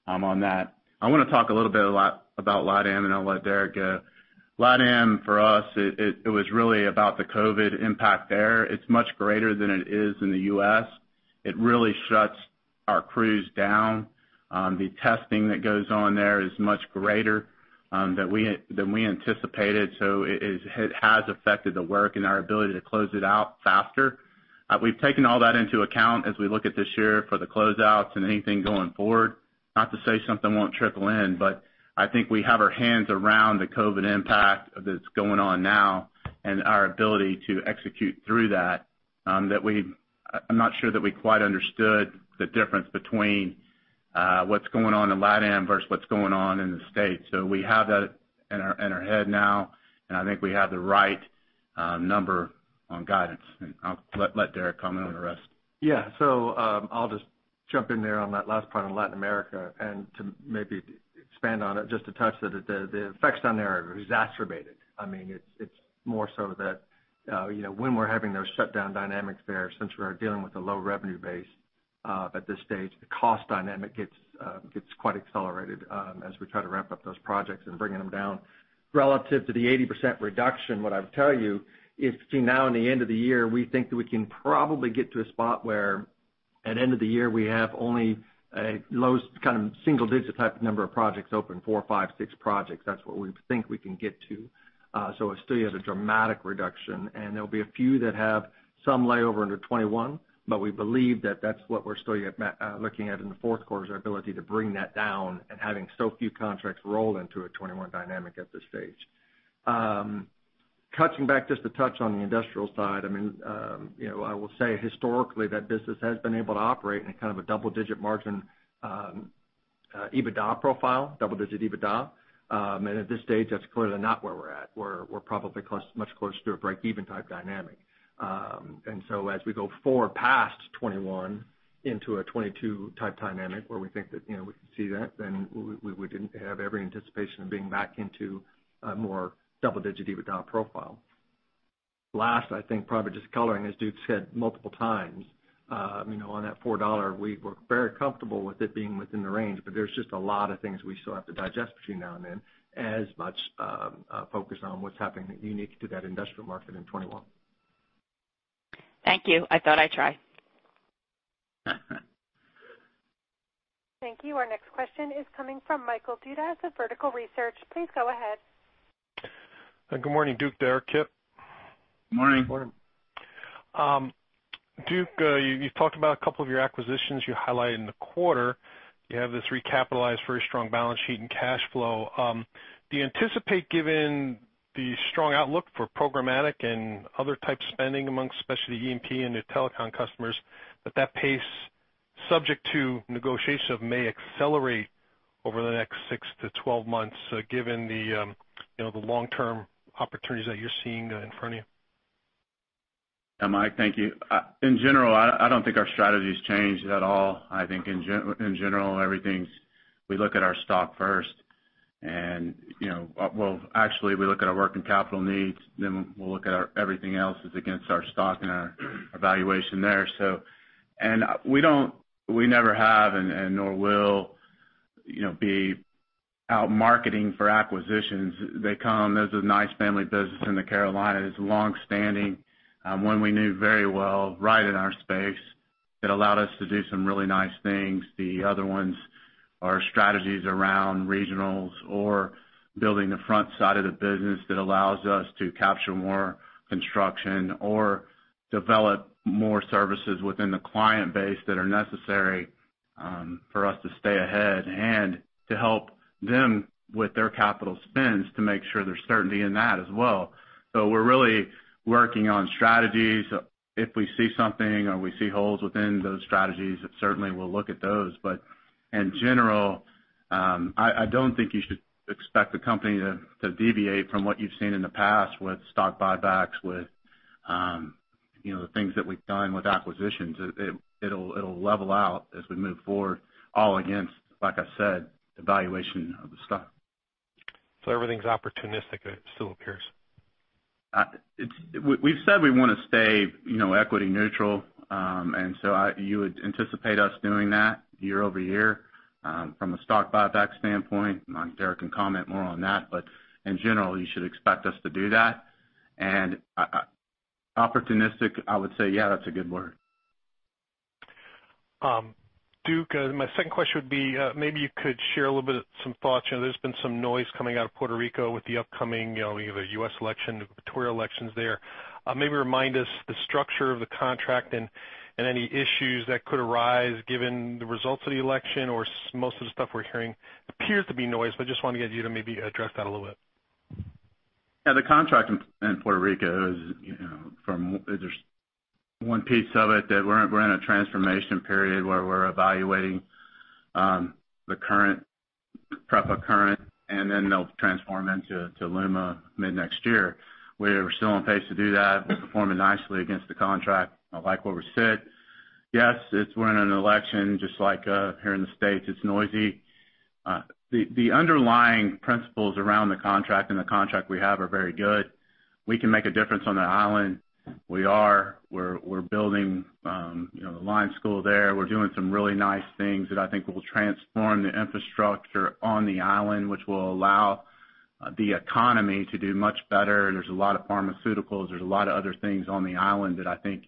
I'm on that. I want to talk a little bit about LatAm, and I'll let Derrick go. LatAm, for us, it was really about the COVID impact there. It's much greater than it is in the U.S. It really shuts our crews down. The testing that goes on there is much greater than we anticipated. It has affected the work and our ability to close it out faster. We've taken all that into account as we look at this year for the closeouts and anything going forward. Not to say something won't trickle in, but I think we have our hands around the COVID impact that's going on now and our ability to execute through that. I'm not sure that we quite understood the difference between what's going on in LatAm versus what's going on in the States. We have that in our head now, and I think we have the right number on guidance. I'll let Derrick comment on the rest. Yeah. I'll just jump in there on that last part on Latin America. To maybe expand on it, just to touch that the effects on there are exacerbated. I mean, it's more so that when we're having those shutdown dynamics there, since we're dealing with a low revenue base at this stage, the cost dynamic gets quite accelerated as we try to ramp up those projects and bringing them down relative to the 80% reduction. What I would tell you is see now in the end of the year, we think that we can probably get to a spot where at end of the year, we have only a low kind of single-digit type number of projects open, four, five, six projects. That's what we think we can get to. We're still at a dramatic reduction, and there'll be a few that have some layover under 2021, but we believe that that's what we're still looking at in the fourth quarter is our ability to bring that down and having so few contracts roll into a 2021 dynamic at this stage. Touching back just to touch on the industrial side, I mean, I will say historically that business has been able to operate in kind of a double-digit margin EBITDA profile, double-digit EBITDA. At this stage, that's clearly not where we're at. We're probably much closer to a break-even type dynamic. As we go forward past 2021 into a 2022 type dynamic where we think that we can see that, then we would have every anticipation of being back into a more double-digit EBITDA profile. Last, I think probably just coloring as Duke said multiple times, on that $4, we were very comfortable with it being within the range, but there's just a lot of things we still have to digest between now and then as much focus on what's happening unique to that industrial market in 2021. Thank you. I thought I'd try. Thank you. Our next question is coming from Michael Duda at the Vertical Research. Please go ahead. Good morning. Duke there. Kip. Good morning. Good morning. Duke, you've talked about a couple of your acquisitions you highlighted in the quarter. You have this recapitalized very strong balance sheet and cash flow. Do you anticipate, given the strong outlook for programmatic and other type spending amongst especially the EMP and new telecom customers, that that pace, subject to negotiation, may accelerate over the next 6 to 12 months given the long-term opportunities that you're seeing in front of you? Mike, thank you. In general, I don't think our strategy has changed at all. I think in general, everything's we look at our stock first. Actually, we look at our working capital needs, then we'll look at everything else against our stock and our valuation there. We never have and nor will be out marketing for acquisitions. They come. There's a nice family business in the Carolinas. It's long-standing. One we knew very well right in our space that allowed us to do some really nice things. The other ones are strategies around regionals or building the front side of the business that allows us to capture more construction or develop more services within the client base that are necessary for us to stay ahead and to help them with their capital spends to make sure there's certainty in that as well. We are really working on strategies. If we see something or we see holes within those strategies, certainly we'll look at those. In general, I do not think you should expect the company to deviate from what you've seen in the past with stock buybacks, with the things that we've done with acquisitions. It will level out as we move forward, all against, like I said, the valuation of the stock. Everything is opportunistic, it still appears. We've said we want to stay equity neutral, and so you would anticipate us doing that year-over-year from a stock buyback standpoint. Derrick can comment more on that, but in general, you should expect us to do that. Opportunistic, I would say, yeah, that's a good word. Duke, my second question would be maybe you could share a little bit of some thoughts. There's been some noise coming out of Puerto Rico with the upcoming U.S. election, the Victoria elections there. Maybe remind us the structure of the contract and any issues that could arise given the results of the election or most of the stuff we're hearing. It appears to be noise, but I just want to get you to maybe address that a little bit. Yeah. The contract in Puerto Rico is from there's one piece of it that we're in a transformation period where we're evaluating the current PREPA current, and then they'll transform into LUMA mid-next year. We're still on pace to do that. We're performing nicely against the contract. I like where we sit. Yes, it's we're in an election just like here in the States. It's noisy. The underlying principles around the contract and the contract we have are very good. We can make a difference on the island. We are. We're building the line school there. We're doing some really nice things that I think will transform the infrastructure on the island, which will allow the economy to do much better. There's a lot of pharmaceuticals. There's a lot of other things on the island that I think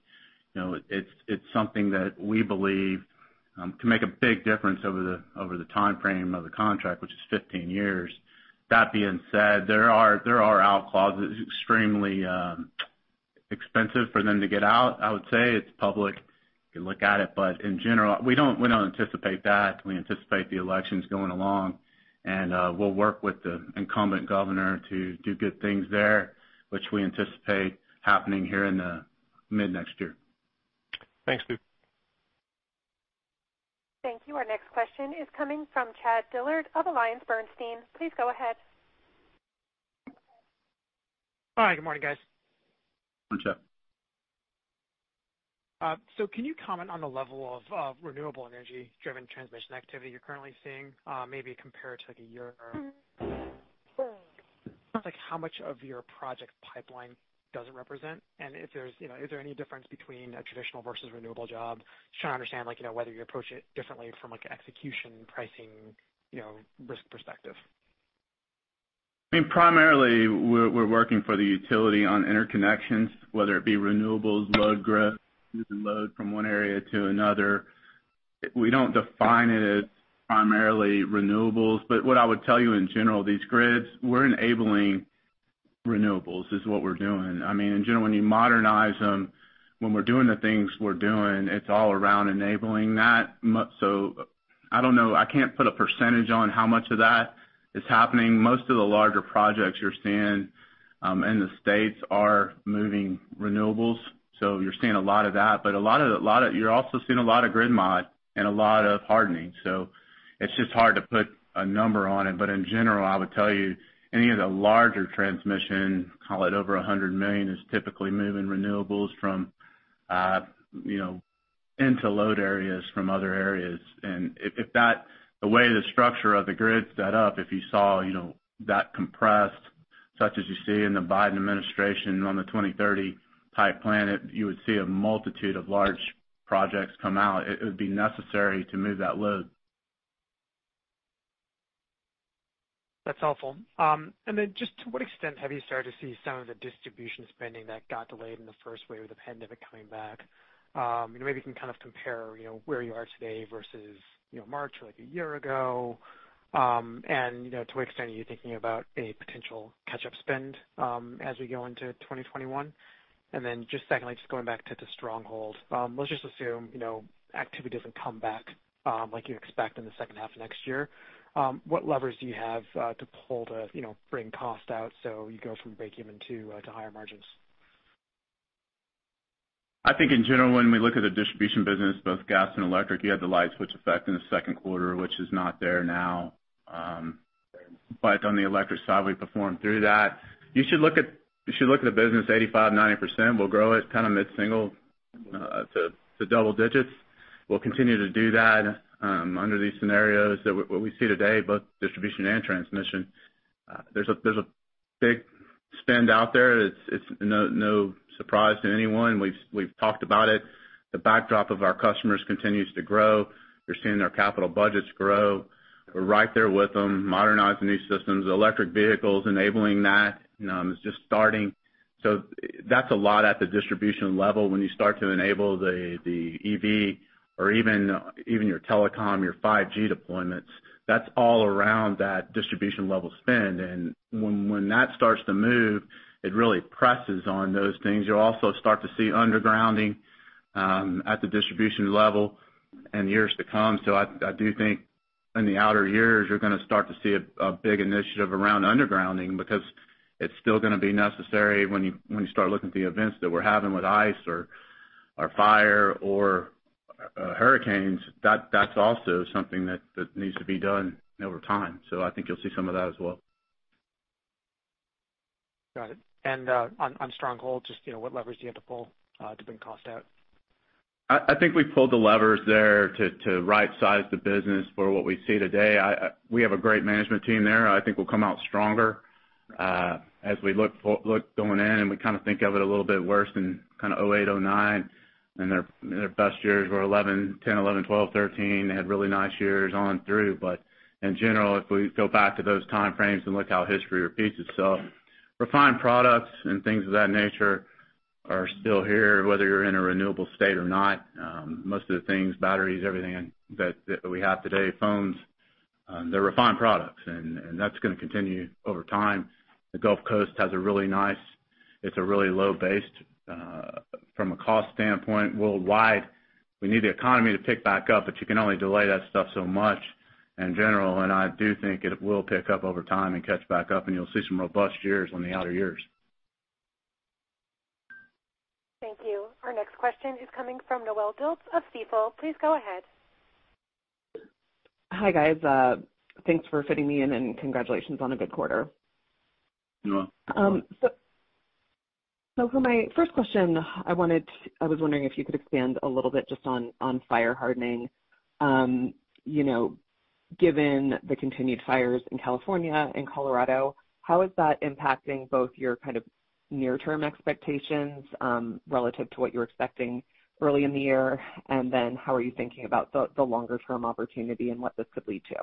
it's something that we believe can make a big difference over the timeframe of the contract, which is 15 years. That being said, there are out clauses, extremely expensive for them to get out. I would say it's public. You can look at it. In general, we don't anticipate that. We anticipate the elections going along, and we'll work with the incumbent governor to do good things there, which we anticipate happening here in the mid-next year. Thanks, Duke. Thank you. Our next question is coming from Chad Dillard of AllianceBernstein. Please go ahead. Hi. Good morning, guys. Morning, Chad. Can you comment on the level of renewable energy-driven transmission activity you're currently seeing, maybe compared to a year ago? How much of your project pipeline does it represent? Is there any difference between a traditional versus renewable job? Just trying to understand whether you approach it differently from an execution pricing risk perspective. I mean, primarily, we're working for the utility on interconnections, whether it be renewables, load grid, load from one area to another. We don't define it as primarily renewables. What I would tell you in general, these grids, we're enabling renewables is what we're doing. I mean, in general, when you modernize them, when we're doing the things we're doing, it's all around enabling that. I don't know. I can't put a percentage on how much of that is happening. Most of the larger projects you're seeing in the States are moving renewables. You're seeing a lot of that. You're also seeing a lot of grid mod and a lot of hardening. It's just hard to put a number on it. In general, I would tell you any of the larger transmission, call it over $100 million, is typically moving renewables from into load areas from other areas. If that, the way the structure of the grid's set up, if you saw that compressed such as you see in the Biden administration on the 2030 type planet, you would see a multitude of large projects come out. It would be necessary to move that load. That's helpful. To what extent have you started to see some of the distribution spending that got delayed in the first wave of the pandemic coming back? Maybe you can kind of compare where you are today versus March or a year ago. To what extent are you thinking about a potential catch-up spend as we go into 2021? Just secondly, just going back to the stronghold, let's just assume activity doesn't come back like you expect in the second half of next year. What levers do you have to pull to bring cost out so you go from break-even to higher margins? I think in general, when we look at the distribution business, both gas and electric, you had the light switch effect in the second quarter, which is not there now. On the electric side, we performed through that. You should look at the business 85-90%. We'll grow it kind of mid-single to double digits. We'll continue to do that under these scenarios that we see today, both distribution and transmission. There's a big spend out there. It's no surprise to anyone. We've talked about it. The backdrop of our customers continues to grow. You're seeing their capital budgets grow. We're right there with them, modernizing these systems. Electric vehicles enabling that is just starting. That's a lot at the distribution level. When you start to enable the EV or even your telecom, your 5G deployments, that's all around that distribution level spend. When that starts to move, it really presses on those things. You'll also start to see undergrounding at the distribution level in years to come. I do think in the outer years, you're going to start to see a big initiative around undergrounding because it's still going to be necessary when you start looking at the events that we're having with ice or fire or hurricanes. That's also something that needs to be done over time. I think you'll see some of that as well. Got it. And on stronghold, just what levers do you have to pull to bring cost out? I think we pulled the levers there to right-size the business for what we see today. We have a great management team there. I think we'll come out stronger as we look going in. We kind of think of it a little bit worse than kind of 2008, 2009. Their best years were 2011, 2010, 2011, 2012, 2013. They had really nice years on through. In general, if we go back to those timeframes and look how history repeats itself, refined products and things of that nature are still here, whether you're in a renewable state or not. Most of the things, batteries, everything that we have today, phones, they're refined products. That's going to continue over time. The Gulf Coast has a really nice, it's a really low-based from a cost standpoint worldwide. We need the economy to pick back up, but you can only delay that stuff so much in general. I do think it will pick up over time and catch back up. You'll see some robust years in the outer years. Thank you. Our next question is coming from Noelle Dilts of Stifel. Please go ahead. Hi, guys. Thanks for fitting me in and congratulations on a good quarter. You're welcome. For my first question, I was wondering if you could expand a little bit just on fire-hardening. Given the continued fires in California and Colorado, how is that impacting both your kind of near-term expectations relative to what you were expecting early in the year? How are you thinking about the longer-term opportunity and what this could lead to?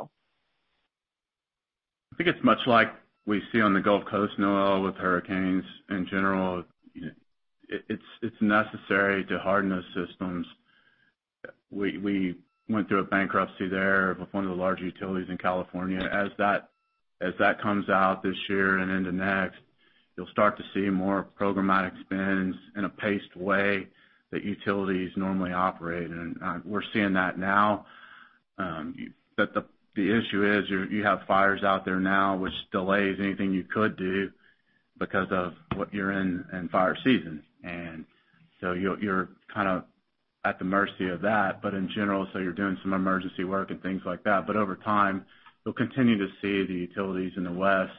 I think it's much like we see on the Gulf Coast, Noelle, with hurricanes in general. It's necessary to harden those systems. We went through a bankruptcy there with one of the large utilities in California. As that comes out this year and into next, you'll start to see more programmatic spends in a paced way that utilities normally operate. We're seeing that now. The issue is you have fires out there now, which delays anything you could do because of what you're in in fire season. You're kind of at the mercy of that. In general, you're doing some emergency work and things like that. Over time, you'll continue to see the utilities in the West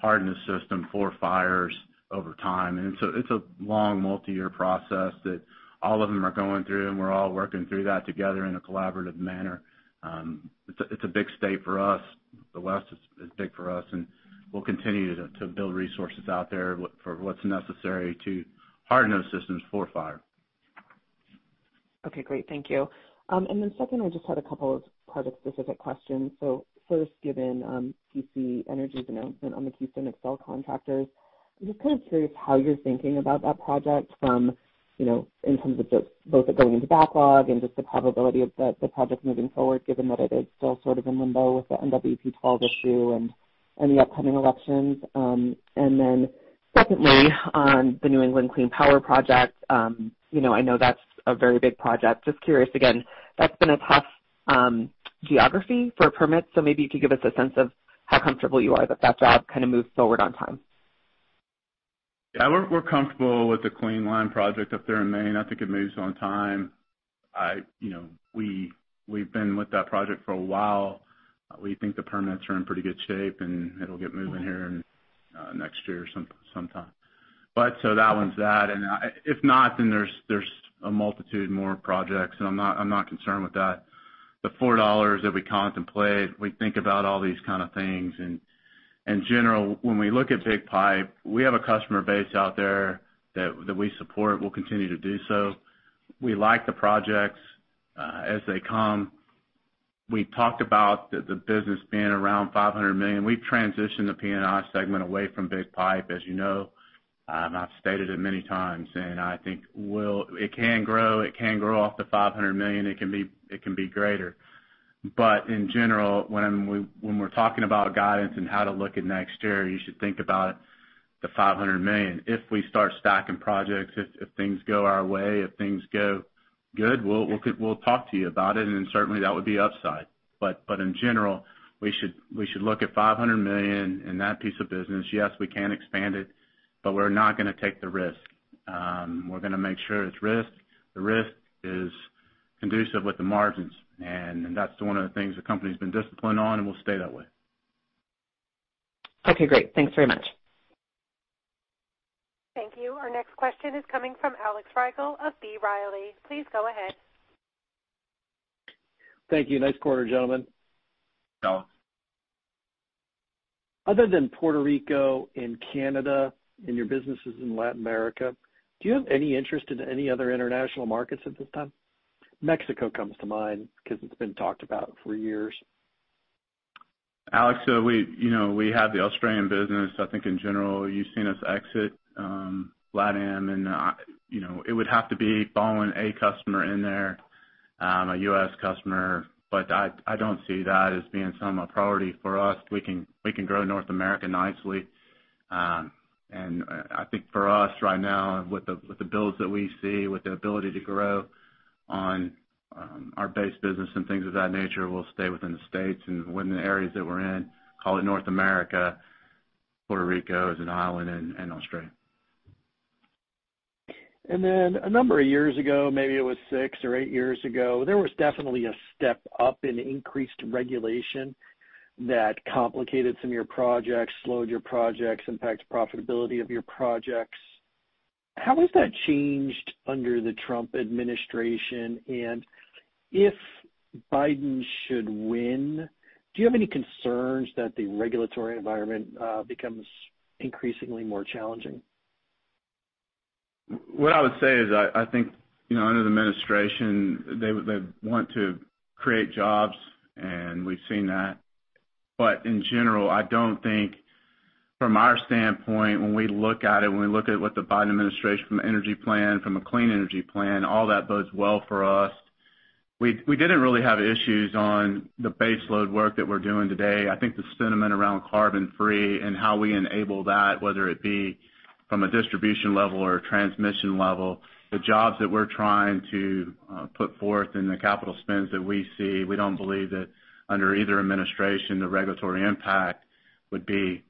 harden the system for fires over time. It is a long multi-year process that all of them are going through, and we are all working through that together in a collaborative manner. It is a big state for us. The West is big for us. We will continue to build resources out there for what is necessary to harden those systems for fire. Okay. Great. Thank you. I just had a couple of project-specific questions. First, given TC Energy's announcement on the Keystone XL contractors, I am just kind of curious how you are thinking about that project in terms of both going into backlog and just the probability of the project moving forward, given that it is still sort of in limbo with the NWP 12 issue and the upcoming elections. Secondly, on the New England Clean Energy Connect project, I know that is a very big project. Just curious again, that's been a tough geography for permits. Maybe you could give us a sense of how comfortable you are that that job kind of moves forward on time. Yeah. We're comfortable with the Clean Line Project up there in Maine. I think it moves on time. We've been with that project for a while. We think the permits are in pretty good shape, and it'll get moving here next year sometime. That one's that. If not, then there's a multitude more projects. I'm not concerned with that. The $4 that we contemplate, we think about all these kind of things. In general, when we look at Big Pipe, we have a customer base out there that we support. We'll continue to do so. We like the projects as they come. We talked about the business being around $500 million. We've transitioned the P&I segment away from Big Pipe, as you know. I've stated it many times, and I think it can grow. It can grow off the $500 million. It can be greater. In general, when we're talking about guidance and how to look at next year, you should think about the $500 million. If we start stacking projects, if things go our way, if things go good, we'll talk to you about it. Certainly, that would be upside. In general, we should look at $500 million in that piece of business. Yes, we can expand it, but we're not going to take the risk. We're going to make sure it's risk. The risk is conducive with the margins. That's one of the things the company's been disciplined on, and we'll stay that way. Okay. Great. Thanks very much. Thank you. Our next question is coming from Alex Rygiel of B. Riley. Please go ahead. Thank you. Nice quarter, gentlemen. Alex, other than Puerto Rico and Canada and your businesses in Latin America, do you have any interest in any other international markets at this time? Mexico comes to mind because it's been talked about for years. Alex, we have the Australian business. I think in general, you've seen us exit Latin America. It would have to be following a customer in there, a U.S. customer. I don't see that as being some priority for us. We can grow North America nicely. I think for us right now, with the bills that we see, with the ability to grow on our base business and things of that nature, we'll stay within the states and within the areas that we're in, call it North America, Puerto Rico as an island, and Australia. A number of years ago, maybe it was six or eight years ago, there was definitely a step up in increased regulation that complicated some of your projects, slowed your projects, impacted profitability of your projects. How has that changed under the Trump administration? If Biden should win, do you have any concerns that the regulatory environment becomes increasingly more challenging? What I would say is I think under the administration, they want to create jobs, and we've seen that. In general, I don't think from our standpoint, when we look at it, when we look at what the Biden administration from an energy plan, from a clean energy plan, all that bodes well for us. We didn't really have issues on the baseload work that we're doing today. I think the sentiment around carbon-free and how we enable that, whether it be from a distribution level or a transmission level, the jobs that we're trying to put forth and the capital spends that we see, we don't believe that under either administration, the regulatory impact would be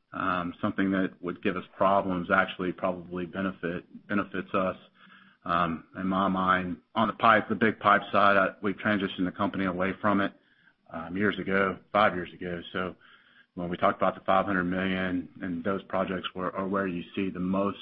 something that would give us problems, actually probably benefits us in my mind. On the big pipe side, we transitioned the company away from it years ago, five years ago. When we talked about the $500 million and those projects are where you see the most,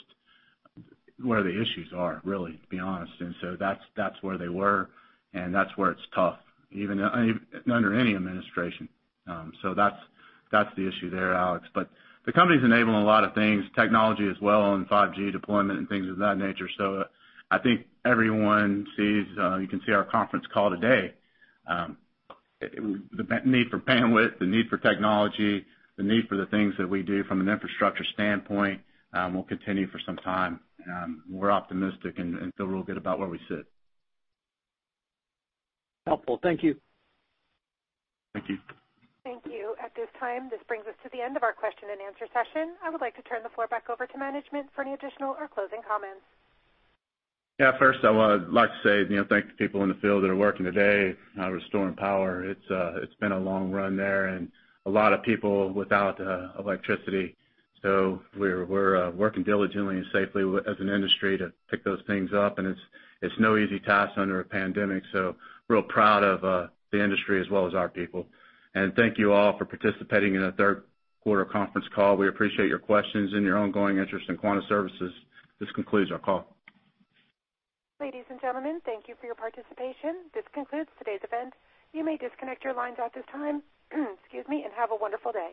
where the issues are, really, to be honest. That is where they were. That is where it is tough, even under any administration. That is the issue there, Alex. The company is enabling a lot of things, technology as well, and 5G deployment and things of that nature. I think everyone sees you can see our conference call today. The need for bandwidth, the need for technology, the need for the things that we do from an infrastructure standpoint will continue for some time. We are optimistic and feel real good about where we sit. Helpful. Thank you. Thank you. Thank you. At this time, this brings us to the end of our question and answer session. I would like to turn the floor back over to management for any additional or closing comments. Yeah. First, I would like to say thank the people in the field that are working today restoring power. It's been a long run there and a lot of people without electricity. We are working diligently and safely as an industry to pick those things up. It's no easy task under a pandemic. Real proud of the industry as well as our people. Thank you all for participating in a third-quarter conference call. We appreciate your questions and your ongoing interest in Quanta Services. This concludes our call. Ladies and gentlemen, thank you for your participation. This concludes today's event. You may disconnect your lines at this time. Excuse me and have a wonderful day.